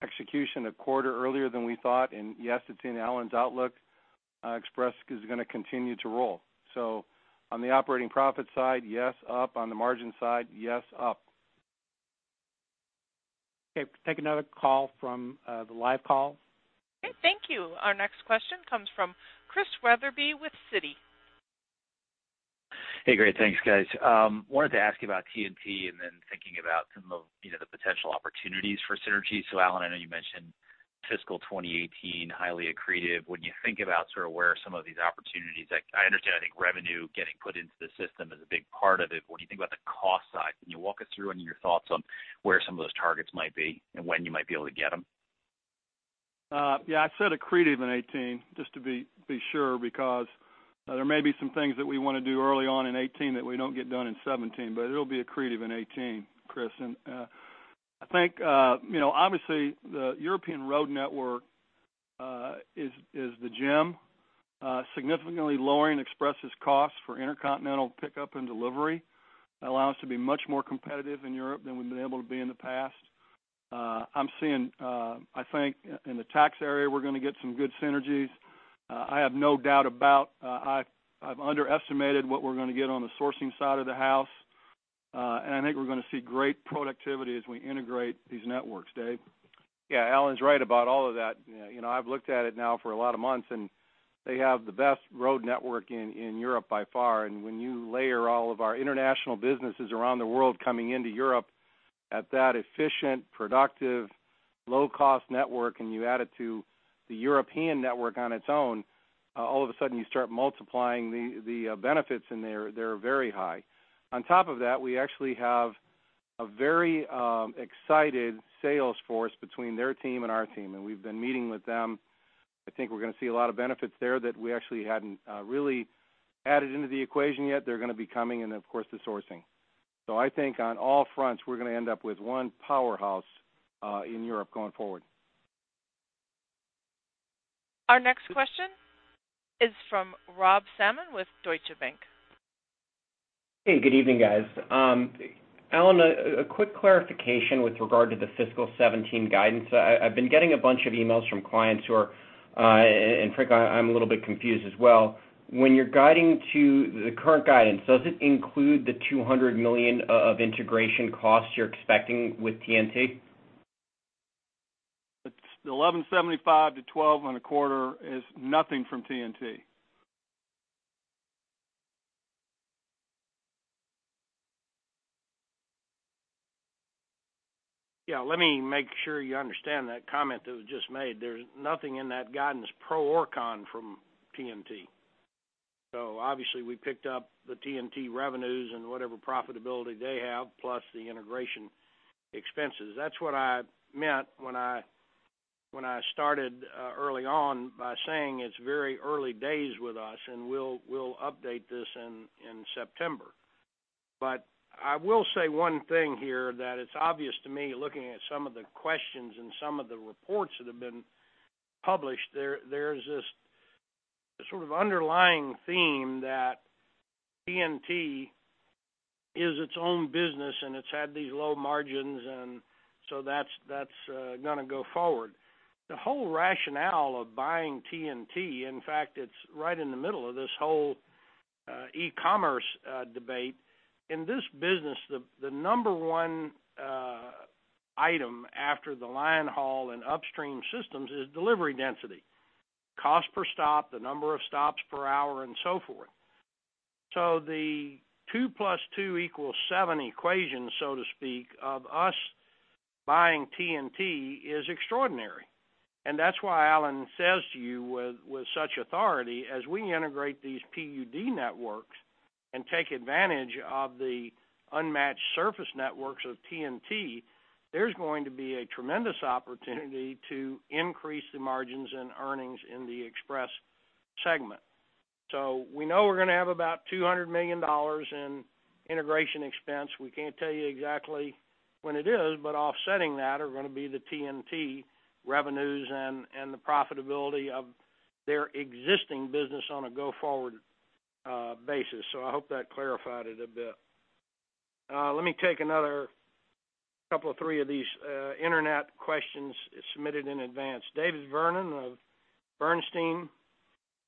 S7: execution a quarter. Earlier than we thought. Yes, it's in Alan's outlook. Express is going to continue to roll. So on the operating profit side. Yes, up. On the margin side, yes, up.
S3: Okay, take another call from the live call.
S1: Okay, thank you. Our next question comes from Christian Wetherbee with Citi.
S10: Hey, great, thanks guys. Wanted to ask about TNT and then thinking about some of the. Potential opportunities for synergy. So Alan, I know you mentioned fiscal 2018 highly accretive when you think about sort of where some of these opportunities. I understand. I think revenue getting put into the system is a big part of it. When you think about the cost side, can you walk us through any of your thoughts on where some of those targets might be and when you might be able to get them?
S5: Yeah, I said accretive in 2018 just to be sure because there may be some things that we want to do early on in 2018 that we don't get done in 2017, but it will be accretive in 2018. Chris, I think obviously the European road network is the gem. Significantly lowering express costs for intercontinental pickup and delivery allow us to be much more competitive in Europe than we've been able to be in the past. I'm seeing, I think in the tax area we're going to get some good synergies. I have no doubt about. I've underestimated what we're going to get on the sourcing side of the house and I think we're going to see great productivity as we integrate these networks.
S3: Dave?
S7: Yeah, Alan's right about all of that. You know, I've looked at it now for a lot of months and they have the best road network in Europe by far. And when you layer all of our international businesses around the world coming into. Europe at that efficient, productive, low cost. Network and you add it to the European network on its own, all of a sudden you start multiplying the benefits and they're very high. On top of that, we actually have a very excited sales force between their team and our team and we've been meeting with them. I think we're going to see a lot of benefits there that we actually hadn't really added into the equation yet. They're going to be coming and of course the sourcing. I think on all fronts we're going to end up with one powerhouse in Europe going forward.
S1: Our next question is from Rob Salmon with Deutsche Bank.
S11: Hey, good evening guys. Alan, a quick clarification with regard to the fiscal 2017 guidance. I've been getting a bunch of emails from clients, and frankly I'm. A little bit confused as well. When you're guiding to the current guidance, does it include the $200 million of integration costs you're expecting with TNT.
S5: 11.75-12 and a quarter is nothing from TNT.
S3: Yeah, let me make sure you understand that comment that was just made. There's nothing in that guidance pro or con from TNT. So obviously we picked up the TNT revenues and whatever profitability they have plus the integration expenses. That's what I meant when I started early on by saying it's very early days with us and we'll update this in September. But I will say one thing here that it's obvious to me, looking at some of the questions and some of the reports that have been published, there's this sort of underlying theme that TNT is its own business and it's had these low margins and so that's going to go forward. The whole rationale of buying TNT. In fact, it's right in the middle of this whole e-commerce debate. In this business the number one item after the line haul and upstream systems is delivery density, cost per stop, the number of stops per hour and so forth. So the 2 + 2 = 7 equation, so to speak of us buying TNT is extraordinary. And that's why Alan says to you with such authority as we integrate these PUD networks and take advantage of the unmatched surface networks of TNT, there's going to be a tremendous opportunity to increase the margins and earnings in the express segment. So we know we're going to have about $200 million in integration expense. We can't tell you exactly when it is, but offsetting that are going to be the TNT revenues and the profitability of their existing business on a go forward basis. So I hope that clarified it a bit. Let me take another couple of three of these internet questions submitted in advance. David Vernon of Bernstein,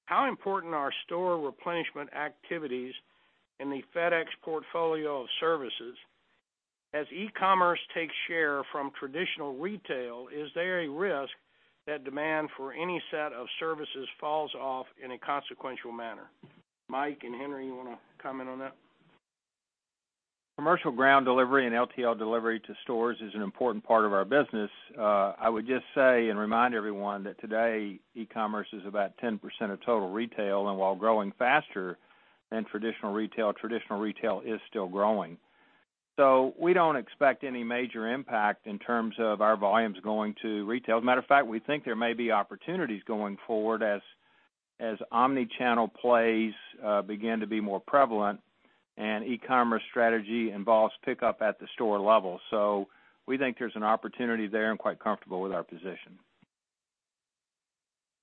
S3: how important are store replenishment activities in the FedEx portfolio of services? As e-commerce takes share from traditional retail, is there a risk that demand for any set of services falls off in a consequential manner? Mike and Henry, you want to comment on that?
S4: Commercial ground delivery and LTL delivery to stores is an important part of our business. I would just say and remind everyone that today e-commerce is about 10% of total retail and while growing faster than traditional retail, traditional retail is still growing. So we don't expect any major impact in terms of our volumes going to retail. As a matter of fact, we think there may be opportunities going forward as omnichannel plays begin to be more prevalent and e-commerce strategy involves pickup at the store level. So we think there's an opportunity there and quite comfortable with our position.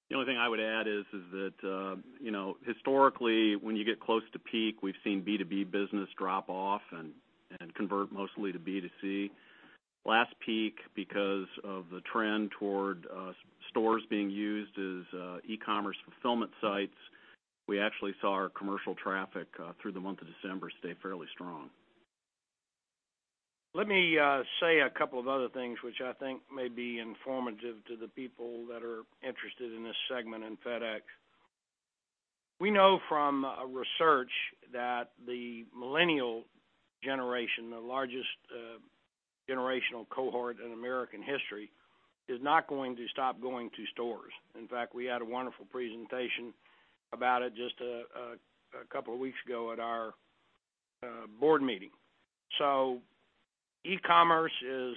S5: The only thing I would add is that historically when you get close to peak. We've seen B2B business drop off and convert mostly to B2C last peak. Because of the trend toward stores being used as e-commerce fulfillment sites. We actually saw our commercial traffic through. The month of December stay fairly strong.
S3: Let me say a couple of other things which I think may be informative to the people that are interested in this segment in FedEx. We know from research that the millennial generation, the largest generational cohort in American history, is not going to stop going to stores. In fact, we had a wonderful presentation about it just a couple of weeks ago at our board meeting. So e-commerce is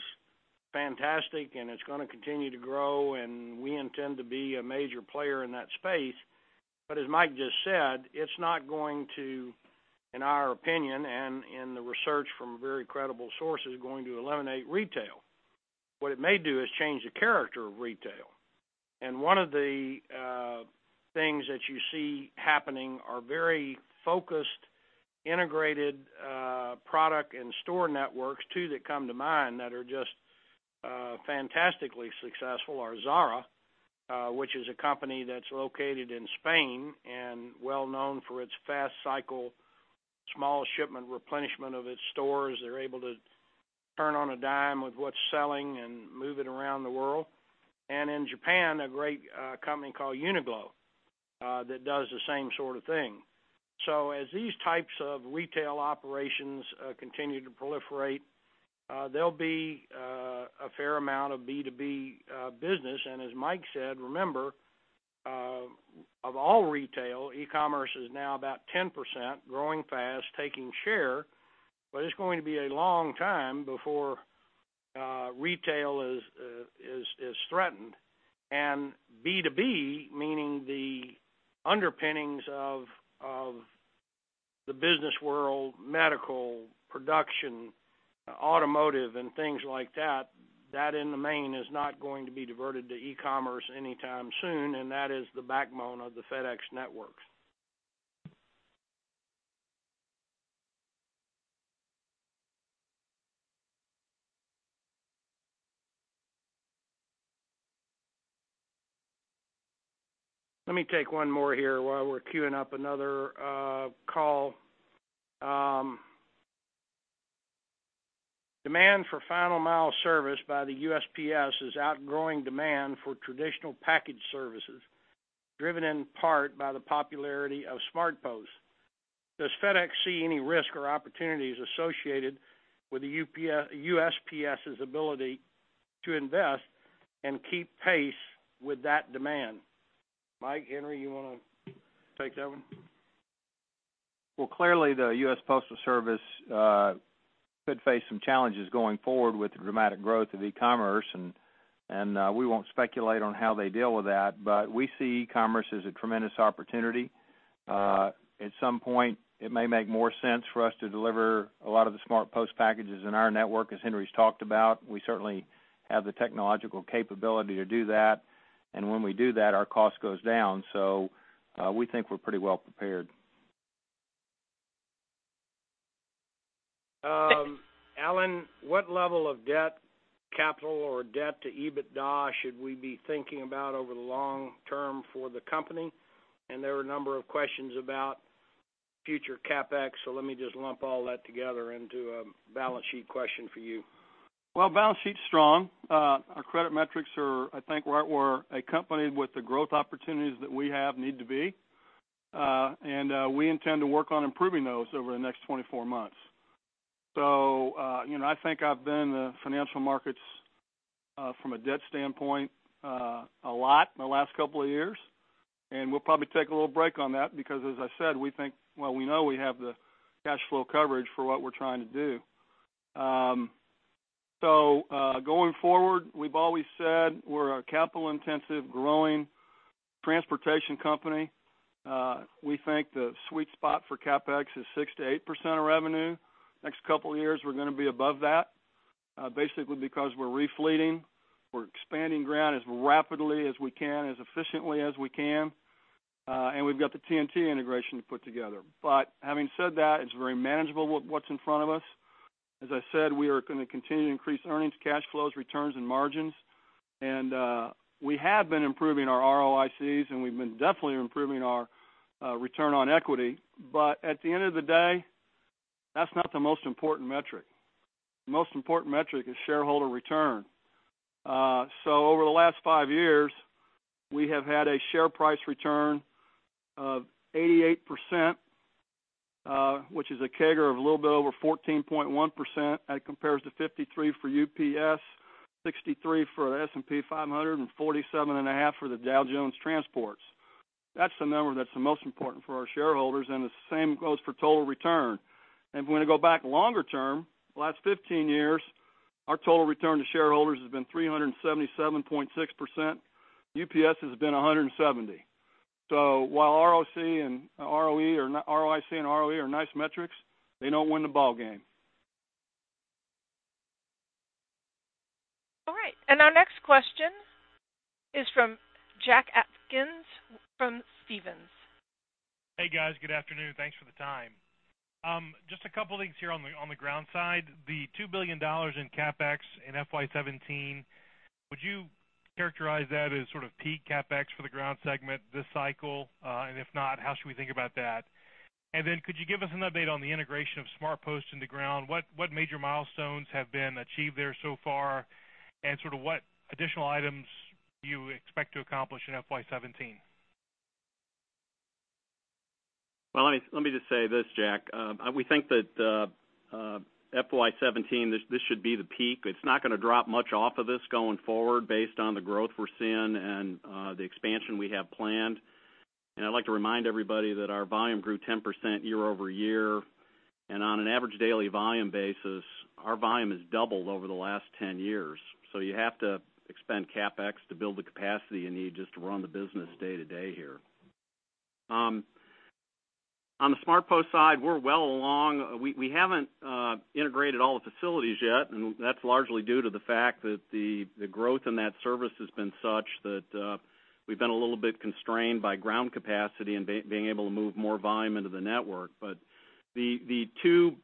S3: fantastic and it's going to continue to grow, and we intend to be a major player in that space. But as Mike just said, it's not going to, in our opinion and in the research from very credible sources, going to eliminate retail. What it may do is change the character of retail. And one of the things that you see happening are very focused integrated product and store networks. Two that come to mind that are just fantastically successful are Zara, which is a company that's located in Spain and well known for its fast cycle, small shipment replenishment of its stores. They're able to turn on a dime with what's selling and move it around the world. And in Japan, a great company called Uniqlo that does the same sort of thing. So as these types of retail operations continue to proliferate, there'll be a fair amount of B2B business. And as Mike said, remember of all retail, e-commerce is now about 10% growing fast, taking share. But it's going to be a long time before retail is threatened. And B2B, meaning the underpinnings of the business world, medical production, automotive, and things like that, that in the main is not going to be diverted to e-commerce anytime soon. That is the backbone of the FedEx networks. Let me take one more here while we're queuing up another call. Demand for final mile service by the USPS is outgrowing demand for traditional package services, driven in part by the popularity of SmartPost. Does FedEx see any risk or opportunities associated with the USPS's ability to invest and keep pace with that demand? Henry Maier, you want to take that one?
S12: Well, clearly the U.S. Postal Service could face some challenges going forward with the dramatic growth of e-commerce. And we won't speculate on how they deal with that, but we see e-commerce as a tremendous opportunity. At some point, it may make more sense for us to deliver a lot of the SmartPost packages in our network as Henry has talked about. We certainly have the technological capability to do that and when we do that our cost goes down. So we think we're pretty well prepared.
S3: Alan, what level of debt, capital or debt to EBITDA should we be thinking about over the long term for the company? There are a number of questions about future CapEx. Let me just lump all that together into a balance sheet question for you.
S5: Well, balance sheet's strong. Our credit metrics are, I think, right where, accompanied with the growth opportunities that we have, they need to be, and we intend to work on improving those over the next 24 months. So, you know, I think I've been in the financial markets from a debt standpoint a lot in the last couple of years, and we'll probably take a little break on that because, as I said, we think—well, we know—we have the cash flow coverage for what we're trying to do. So, going forward, we've always said we're a capital intensive, growing transportation company. We think the sweet spot for CapEx is 6%-8% of revenue. Next couple years we're going to be above that basically because we're refleeting, we're expanding ground as rapidly as we can, as efficiently as we can, and we've got the TNT integration to put together. But having said that, it's very manageable what's in front of us. As I said, we are going to continue to increase earnings, cash flows, returns and margins. And we have been improving our ROICs and we've been definitely improving our return on equity. But at the end of the day that's not the most important metric. The most important metric is shareholder return. So over the last five years we have had a share price return of 88% which is a CAGR of a little bit over 14.1% as compared to 53% for UPS, 63% for the S&P 500, 547.5% for the Dow Jones Transports. That's the number that's the most important for our shareholders and the same goes for total return. And if we want to go back longer term, last 15 years our total return to shareholders has been 377.6%. UPS has been 170%. So while. ROIC and ROE are nice metrics, they don't win the ball game.
S1: All right, and our next question is from Jack Atkins from Stephens.
S13: Hey guys, good afternoon. Thanks for the time. Just a couple things here on the ground side, the $2 billion in CapEx in FY 2017, would you characterize that as sort of peak CapEx for the ground segment this cycle? If not, how should we think about that? And then could you give us an... Update on the integration of SmartPost into ground, what major milestones have been achieved there so far and sort of what additional items you expect to accomplish in FY 2017?
S3: Well, let me just say this, Jack. We think that FY 2017, this should be the peak. It's not going to drop much off. Of this going forward based on the growth we're seeing and the expansion we have planned. I'd like to remind everybody that our volume grew 10% year-over-year and on an average daily volume basis, our volume has doubled over the last 10 years. You have to CapEx to build. The capacity you need just to run the business day to day here. On the SmartPost side, we're well along. We haven't integrated all the facilities yet. That's largely due to the fact that the growth in that service has been such that we've been a little. Bit constrained by ground capacity and being. Able to move more volume into the network. But the two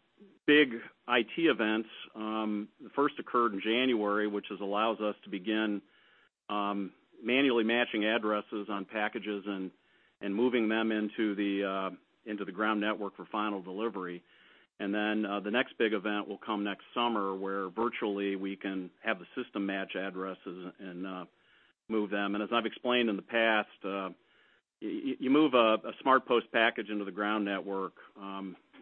S3: big IT events, the. First occurred in January, which allows us. To begin manually matching addresses on packages. Moving them into the ground network for final delivery. And then the next big event will. Come next summer where virtually we can have the system match addresses and move them. As I've explained in the past, you move a SmartPost package into the ground network,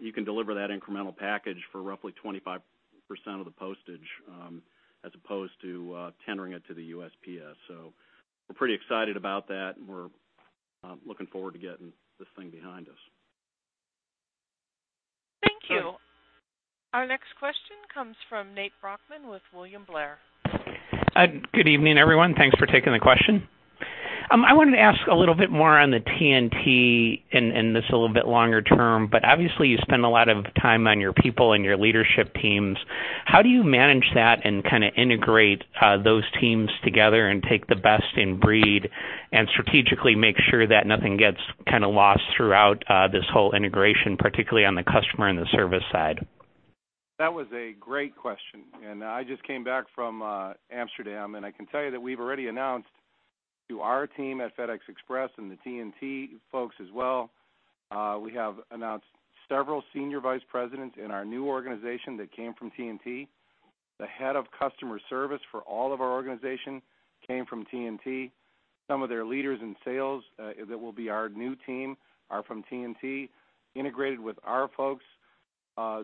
S3: you can deliver that incremental package for roughly 25% of the postage as opposed to tendering it to the USPS. So we're pretty excited about that. We're looking forward to getting this thing behind us.
S1: Thank you. Our next question comes from Nate Brochmann with William Blair.
S14: Good evening everyone. Thanks for taking the question. I wanted to ask a little bit. More on the TNT and this a. Little bit longer term, but obviously you. Spend a lot of time on your people and your leadership team. How do you manage that and kind? To integrate those teams together and take the best in breed and strategically make sure that nothing gets kind of lost throughout this whole integration, particularly on the customer and the service side.
S3: That was a great question. I just came back from Amsterdam and I can tell you that we've already announced to our team at FedEx Express and the TNT folks as well, we have announced several senior vice presidents in our new organization that came from TNT. The head. Of customer service for all of our. Organization came from TNT, some of their leaders in sales. That will be our new team are from TNT integrated with our folks.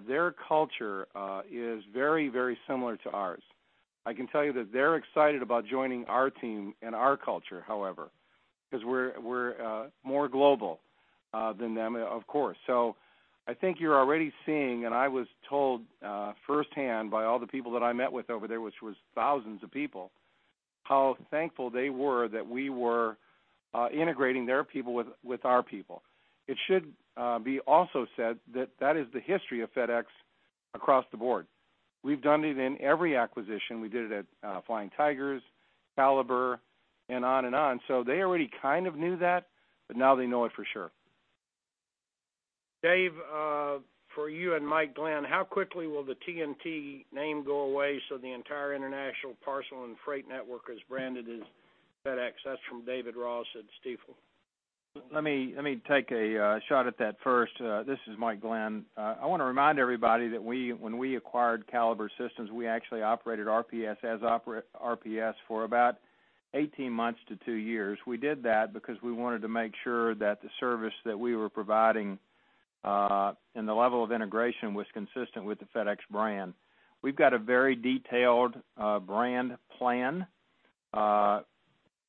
S3: Their culture is very, very similar to ours. I can tell you that. They're excited about joining our team and our culture, however, because we're more global than them, of course. So I think you're already seeing, and I was told firsthand by all the people that I met with over there, which was thousands of people, how thankful they were that we were integrating their people with our people. It should be also said that that.
S4: Is the history of FedEx across the board.
S3: We've done it in every acquisition. We did it at Flying Tigers, Caliber and on and on. So they already kind of knew that, but now they know it for sure. Dave, for you and Mike Glenn, how quickly will the TNT name go away? So the entire international parcel and freight network is branded as FedEx. That's from David Ross and Stifel.
S4: Let me take a shot at that. First, this is Mike Glenn. I want to remind everybody that when we acquired Caliber Systems, we actually operated RPS as RPS for about 18 months to two years. We did that because we wanted to make sure that the service that we were providing and the level of integration was consistent with the FedEx brand. We've got a very detailed brand plan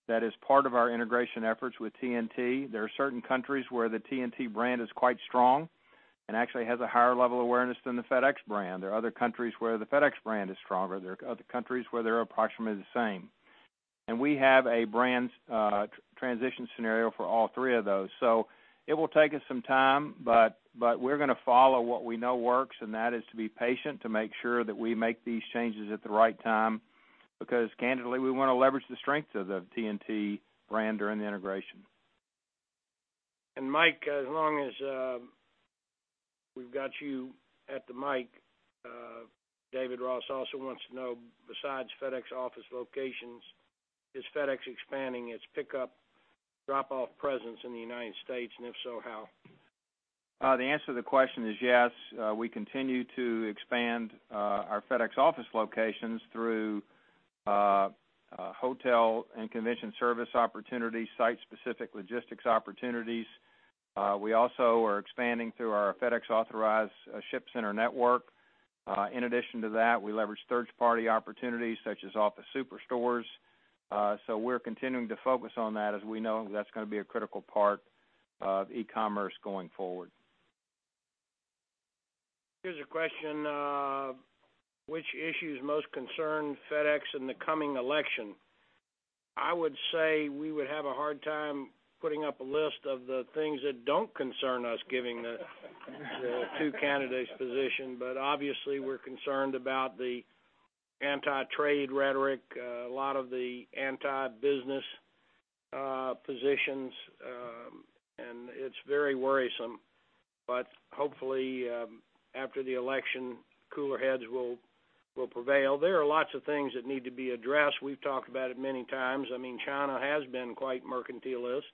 S4: that is part of our integration efforts with TNT. There are certain countries where the TNT brand is quite strong and actually has a higher level of awareness than the FedEx brand. There are other countries where the FedEx brand is stronger. There are other countries, countries where they're approximately the same. And we have a brand transition scenario for all three of those. So it will take us some time, but we're going to follow what we know works and that is to be patient, to make sure that we make these changes at the right time. Because candidly, we want to leverage the strength of the TNT brand during the integration.
S3: Mike, as long as we've got you at the mic, David Ross also wants to know, besides FedEx Office locations, is FedEx expanding its pickup drop off presence in the United States and if so, how?
S4: The answer to the question is yes. We continue to expand our FedEx Office locations through hotel and convention service opportunities, site-specific logistics opportunities. We also are expanding through our FedEx Authorized Ship Center network. In addition to that, we leverage third-party opportunities such as office superstores. So we're continuing to focus on that as we know that's going to be a critical part of e-commerce going forward.
S3: Here's a question: which issues most concern FedEx. In the coming election, I would say we would have a hard time putting up a list of the things that don't concern us given the two candidates' positions. But obviously we're concerned about the anti-trade rhetoric, a lot of the anti-business positions and it's very worrisome. But hopefully after the election cooler heads will. There are lots of things that need to be addressed. We've talked about it many times. I mean, China has been quite mercantilist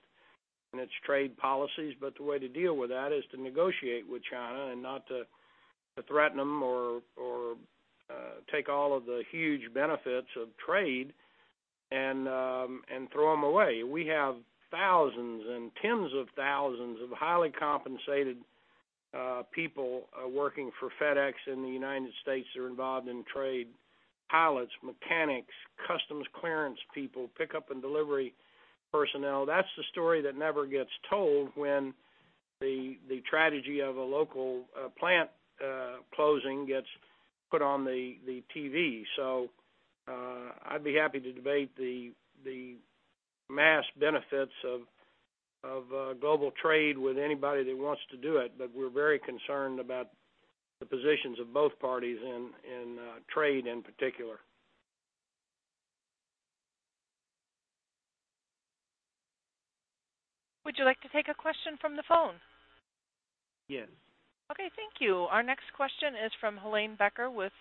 S3: and its trade policies. But the way to deal with that is to negotiate with China and not to threaten them or take all of the huge benefits of trade and throw them away. We have thousands and tens of thousands of highly compensated people working for FedEx in the United States that are involved in trade. Pilots, mechanics, customs clearance people, pickup and delivery personnel. That's the story that never gets told when the tragedy of a local plant closing gets put on the TV. So I'd be happy to debate the mass benefits of global trade with anybody that wants to do it. But we're very concerned about the positions of both parties in trade in particular.
S1: Would you like to take a question from the phone?
S3: Yes.
S1: Okay, thank you. Our next question is from Helene Becker with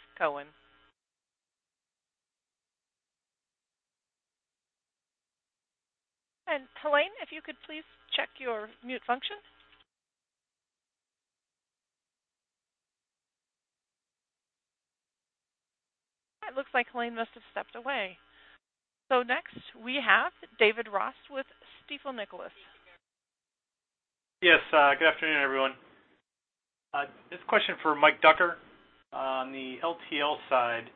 S1: Cowen. Helene, if you could please check your mute function. It looks like Helene must have stepped away. So next we have David Ross with Stifel. Nicholas.
S15: Yes. Good afternoon everyone. This question for Mike Ducker on the LTL side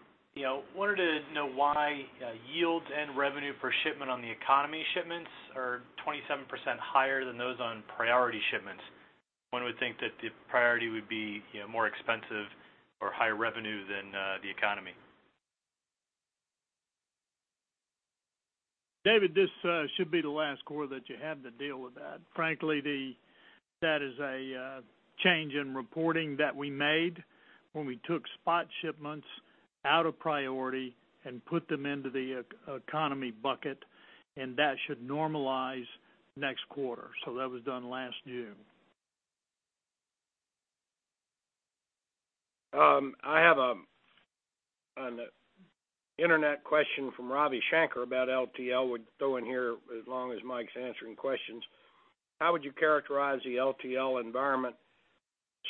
S15: wanted to know why yields and revenue per shipment on the economy shipments are 27% higher than those on priority shipments. One would think that the priority would be more expensive or higher revenue than the economy.
S2: David, this should be the last quarter that you have to deal with that. Frankly, the. That is a change in reporting that we made when we took spot shipments out of priority and put them into the economy bucket. And that should normalize next quarter. So that was done last June.
S3: I have an Internet question from Ravi Shanker about LTL. We'd go in here as long as Mike's answering questions. How would you characterize the LTL environment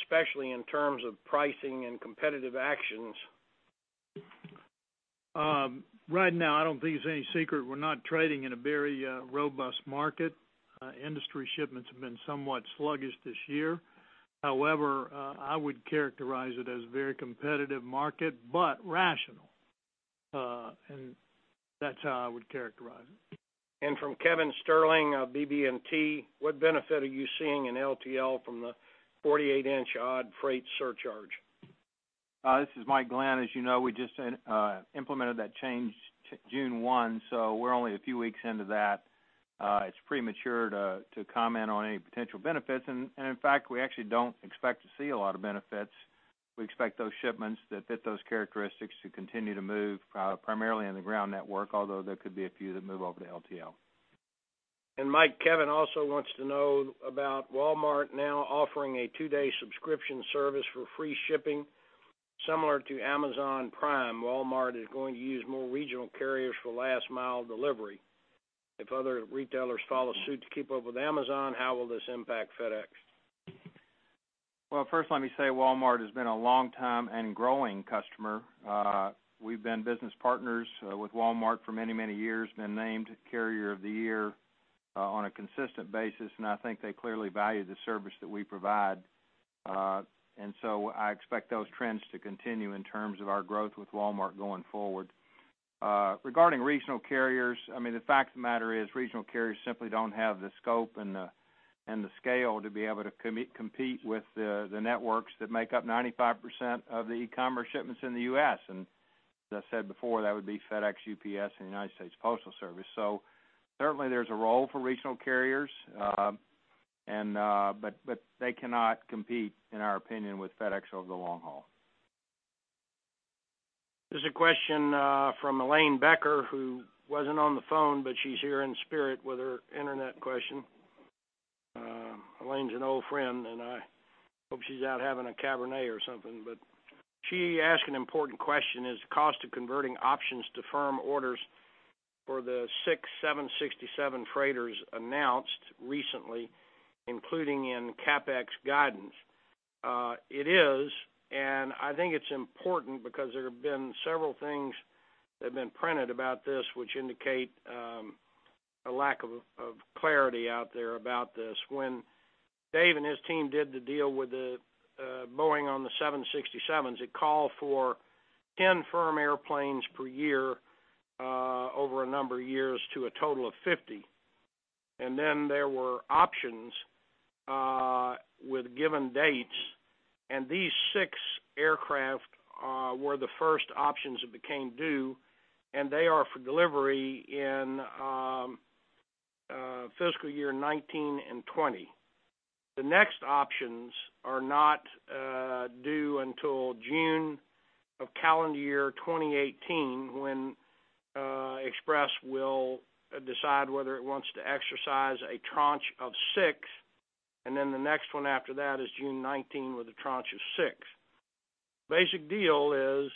S3: especially in terms of pricing and competitive actions.
S2: Right now? I don't think it's any secret we're not trading in a very robust market. Industry shipments have been somewhat sluggish this year. However, I would characterize it as very competitive market, but rational. That's how I would characterize it.
S3: From Kevin Sterling of BB&T, what benefit are you seeing in LTL from the 48 inch odd freight surcharge?
S4: This is Mike Glenn. As you know, we just implemented that change June 1st. So we're only a few weeks into that. It's premature to comment on any potential benefits, and in fact we actually don't expect to see a lot of benefits. We expect those shipments that fit those characteristics to continue to move primarily in the ground network, although there could be a few that move over to L.
S3: Mike, Kevin also wants to know about Walmart now offering a two-day subscription service for free shipping similar to Amazon Prime. Walmart is going to use more regional carriers for last mile delivery if other retailers follow suit to keep up with Amazon. How will this impact FedEx?
S4: Well, first let me say Walmart has been a long time and growing customer. We've been business partners with Walmart for many, many years, been named carrier of the year on a consistent basis and I think they clearly value the service that we provide. And so I expect those trends to continue in terms of our growth with Walmart going forward. Regarding regional carriers, I mean the fact of the matter is regional carriers simply don't have the scope and the scale to be able to compete with the networks that make up 95% of the e-commerce shipments in the U.S. and as I said before, that would be FedEx, UPS and the United States Postal Service. Certainly there's a role for regional carriers. But they cannot compete in our opinion, with FedEx over the long haul.
S3: There's a question from Helene Becker who wasn't on the phone but she's here in spirit with her Internet question. Helene's an old friend and I hope she's out having a Cabernet or something. But she asked an important question. Is the cost of converting options to firm orders for the 6 767 freighters announced recently, including in CapEx guidance? It is, and I think it's important because there have been several things that have been printed about this which indicate a lack of clarity out there about this. When Dave and his team did the deal with the Boeing on the 767s, it called for 10 firm airplanes per year over a number of years to a total of 50. And then there were options with given dates and these 6 aircraft were the first options that became due and they are for delivery in fiscal year 2019 and 2020. The next options are not due until June of calendar year 2018 when Express will decide whether it wants to exercise a tranche of 6 and then the next one after that is June 19th with a tranche of 6. Basic deal is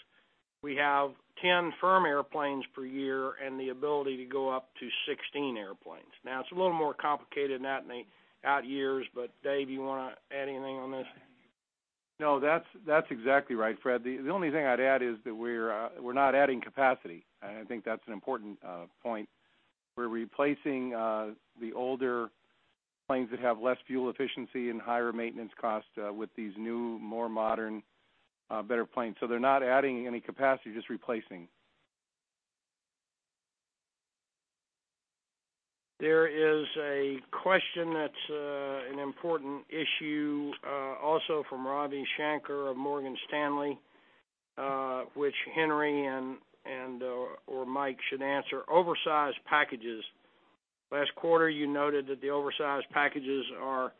S3: we have 10 firm airplanes per year and the ability to go up to 16 airplanes. Now it's a little more complicated than that in the out years. But Dave, you want to add anything on this?
S7: No, that's exactly right, Fred. The only thing I'd add is that we're not adding capacity and I think that's an important point. We're replacing the older planes that have less fuel efficiency and higher maintenance cost with these new, more modern, better planes. So they're not adding any capacity, just replacing.
S3: There is a question that's an important issue also from Ravi Shanker of Morgan Stanley, which Henry or Mike should answer. Oversized packages. Last quarter you noted that the oversized packages are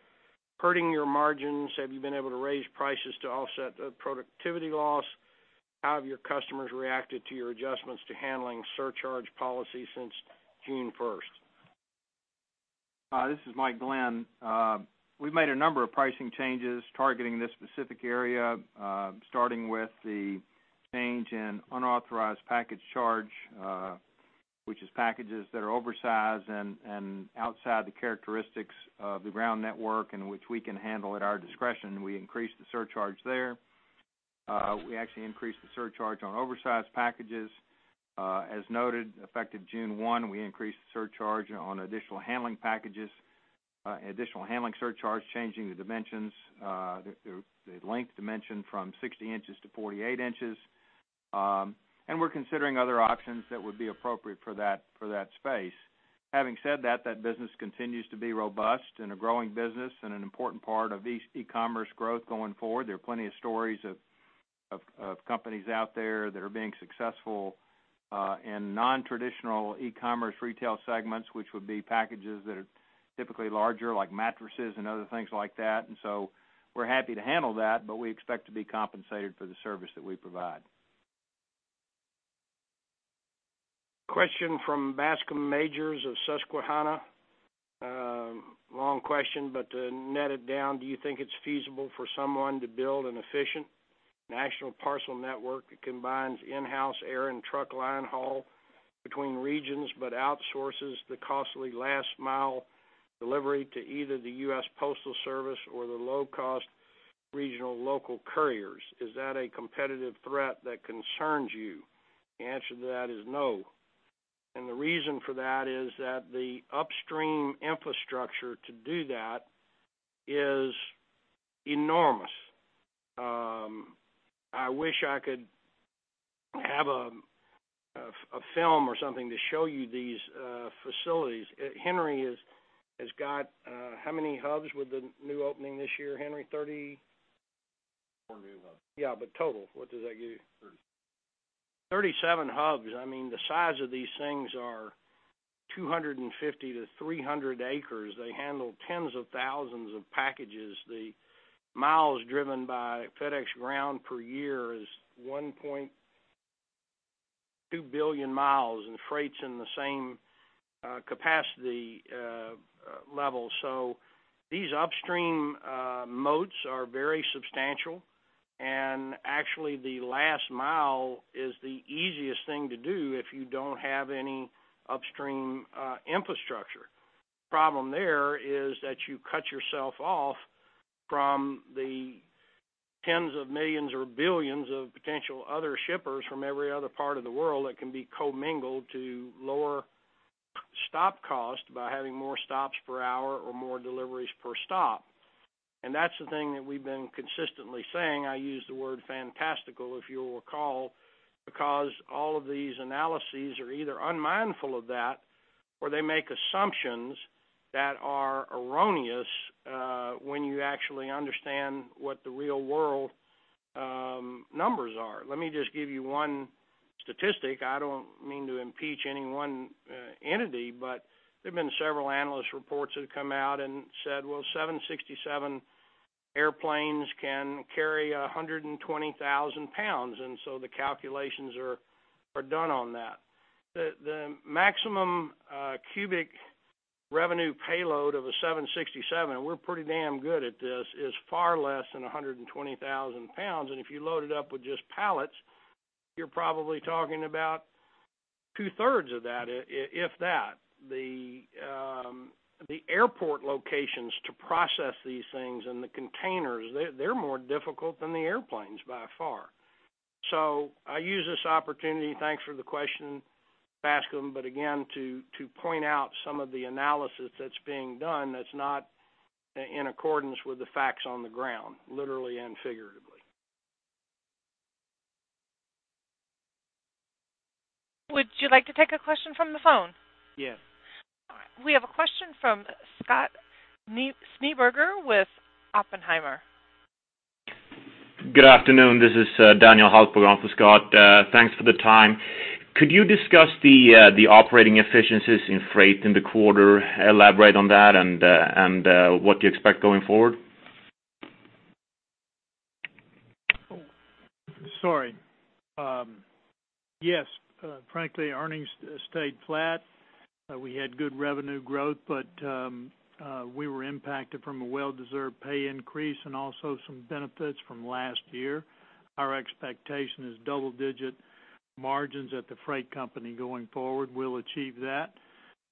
S3: hurting your margins. Have you been able to raise prices to offset the productivity loss? How have your customers reacted to your adjustments to handling surcharge policy since June 1st?
S4: This is Mike Glenn. We've made a number of pricing changes targeting this specific area. Starting with the change in unauthorized package charge, which is packages that are oversized and outside the characteristics of the ground network and which we can handle at our discretion. We increased the surcharge there. We actually increased the surcharge on oversized packages as noted, effective June 1st we increased surcharge on additional handling packages, additional handling surcharge, changing the dimensions, the length dimension from 60 inches to 48 inches. We're considering other options that would be appropriate for that space. Having said that, that business continues to be robust and a growing business and an important part of e-commerce growth going forward. There are plenty of stories of companies out there that are being successful in non-traditional e-commerce retail segments, which would be packages that are typically larger, like mattresses and other things like that. And so we're happy to handle that, but we expect to be compensated for the service that we provide.
S3: Question from Bascom Majors of Susquehanna. Long question. But to net it down, do you think it's feasible for someone to build an efficient national parcel network combines in house air and truck line haul between regions, but outsources the costly last mile delivery to either the U.S. Postal Service or the low cost regional local couriers. Is that a competitive threat that concerns you?
S7: The answer to that is no. And the reason for that is that the upstream infrastructure to do that is enormous. I wish I could have a film or something to show you these facilities. Henry has got how many hubs with the new opening this year, Henry?
S12: 34 new hubs.
S7: Yeah, but total, what does that give you? 37 hubs. I mean the size of these things are 250-300 acres. They handle tens of thousands of packages. The miles driven by FedEx Ground per year is 1.2 billion miles and Freight's in the same capacity level. So these upstream moats are very substantial. And actually the last mile is the easiest thing to do if you don't have any upstream infrastructure. Problem there is that you cut yourself off from the tens of millions or billions of potential other shippers from every other part of the world that can be commingled to lower stop cost by having more stops per hour or more deliveries per stop. And that's the thing that we've been consistently saying. I use the word fantastical if you'll recall, because all of these analyses are either unmindful of that or they make assumptions that are erroneous when you actually understand what the real world numbers are. Let me just give you one statistic. I don't mean to impeach any one entity, but there have been several analysts' reports that have come out and said, well, 767 airplanes can carry 120,000 pounds. And so the calculations are done on that. The maximum cubic revenue payload of a 767 we're pretty damn good at this is far less than 120,000 pounds. And if you load it up with just pallets, you're probably talking about 2/3. Of that, if that. The airport locations to process these things and the containers, they're more difficult than the airplanes by far. So I use this opportunity. Thanks for the question, Bascom. But again to point out some of the analysis that's being done that's not in accordance with the facts on the ground, literally and figuratively.
S1: Would you like to take a question from the phone? Yes, we have a question from Scott Schneeberger with Oppenheimer.
S16: Good afternoon, this is Daniel Hultberg. Thanks for the time. Could you discuss the operating efficiencies in freight in the quarter, elaborate on that and what you expect going forward?
S5: Sorry. Yes, frankly, earnings stayed flat. We had good revenue growth, but we were impacted from a well-deserved pay increase and also some benefits from last year. Our expectation is double-digit margins at the freight company going forward. We will achieve that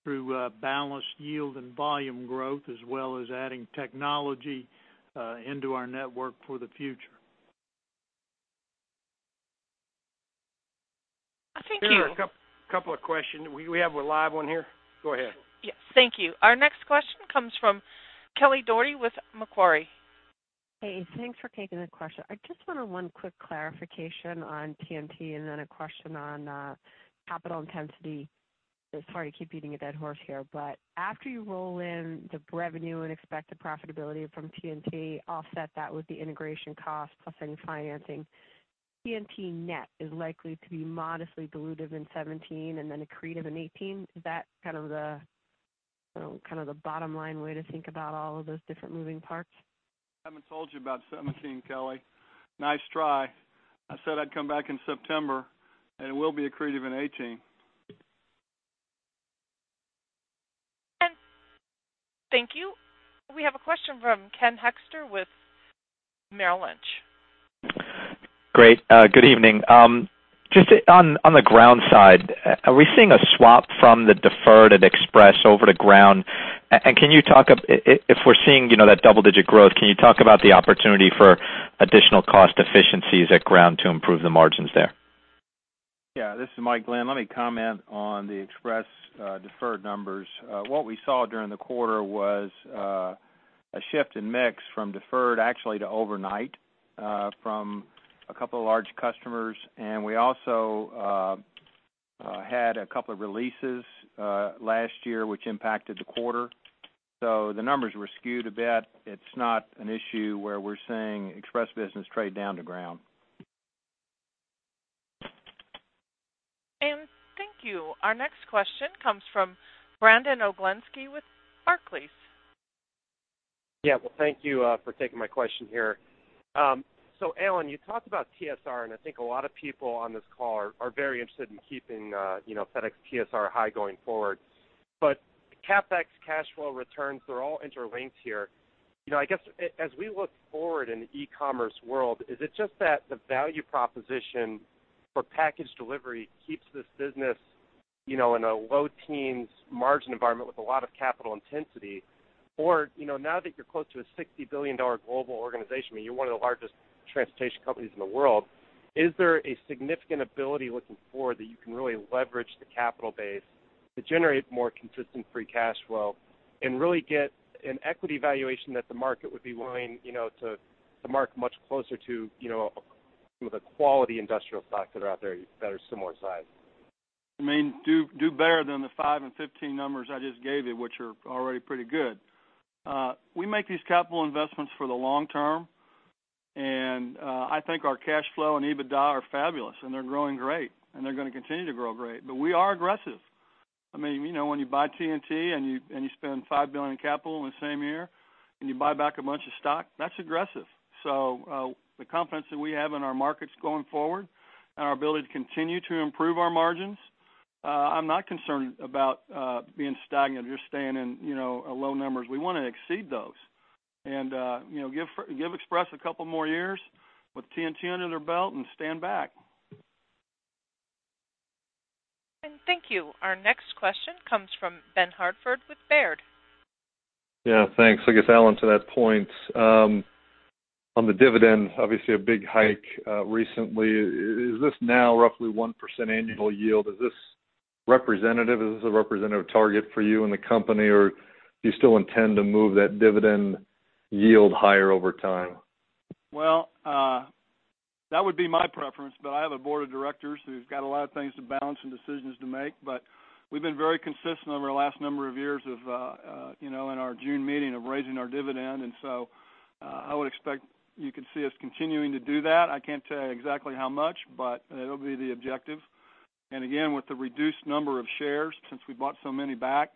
S5: through balanced yield and volume growth as well as adding technology into our network for the future.
S3: A couple of questions. We have a live one here. Go ahead.
S1: Yes, thank you. Our next question comes from Kelly Dougherty with Macquarie.
S17: Hey, thanks for taking the question. I just wanted one quick clarification on TNT and then a question on capital intensity. Sorry to keep beating a dead horse here, but after you roll in the revenue and expected profitability from TNT, offset. That with the integration cost plus any. Financing TNT net is likely to be modestly dilutive in 2017 and then accretive in 2018. Is that kind of the bottom line way to think about? All of those different moving parts?
S5: Haven't told you about 2017, Kelly. Nice try. I said I'd come back in September and it will be accretive in 2018.
S1: Thank you. We have a question from Ken Hoexter with Merrill Lynch. Great.
S18: Good evening. Just on the ground side, are we seeing a swap from the deferred at express over to ground and can you talk if we're seeing that double digit growth, can you talk about the opportunity for additional cost efficiencies at ground to improve the margins there?
S4: Yeah. This is Mike Glenn. Let me comment on the Express deferred numbers. What we saw during the quarter was a shift in mix from deferred actually to overnight from a couple of large customers. We also had a couple of releases last year which impacted the quarter. The numbers were skewed a bit. It's not an issue where we're seeing express business trade down to ground.
S1: Thank you. Our next question comes from Brandon Oglenski with Barclays.
S19: Yeah, well thank you for taking my question here. So Alan, you talked about TSR and I think a lot of people on this call are very interested in keeping FedEx TSR high going forward. But CapEx cash flow returns, they're all interlinked here. I guess as we look forward in the e-commerce world, is it just that the value proposition for package delivery keeps this business in a low teens margin environment with a lot of capital intensity or now that you're close to a $60 billion global organization, you're one of the largest transportation companies in the world, is there a significant ability looking forward that you can really leverage the capital base to generate more consistent free cash flow and really get an equity valuation that the market would be willing to mark much closer to quality industrial stocks that are out there that? Are similar in size,
S5: I mean do better than the 5 and 15 numbers I just gave you, which are already pretty good. We make these capital investments for the long term and I think our cash flow and EBITDA are fabulous and they're growing great and they're going to continue to grow great. But we are aggressive. I mean, you know when you buy TNT and you spend $5 billion in capital in the same year and you buy back a bunch of stock, that's aggressive. So the confidence that we have in our markets going forward and our ability to continue to improve our margins, I'm not concerned about being stagnant, just staying in, you know, low numbers. We want to exceed those and, you know, give Express a couple more years with TNT under their belt and stand back.
S1: Thank you. Our next question comes from Ben Hartford with Baird.
S20: Yes, thanks. I guess, Alan, to that point on the dividend, obviously a big hike recently. Is this now roughly 1% annual yield? Is this a representative? Target for you and the company, or do you still intend to move that dividend yield higher over time?
S5: Well, that would be my preference, but I have a board of directors who've got a lot of things to balance and decisions to make. But we've been very consistent over the last number of years of in our June meeting of raising our dividend. And so I would expect you could see us continuing to do that. I can't tell you exactly how much, but it will be the objective. And again, with the reduced number of shares since we bought so many back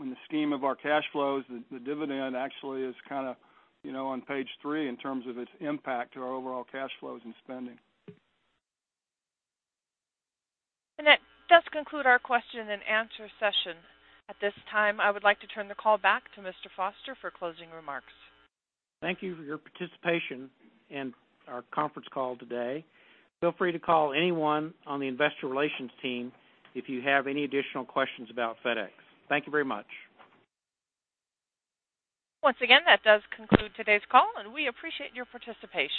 S5: in the scheme of our cash flows, the dividend actually is kind of, you know, on page three in terms of its impact to our overall cash flows and spending.
S1: That does conclude our question and answer session. At this time, I would like to turn the call back to Mr. Foster for closing remarks.
S2: Thank you for your participation in our conference call today. Feel free to call anyone on the investor relations team if you have any additional questions about FedEx. Thank you very much.
S1: Once again, that does conclude today's call, and we appreciate your participation.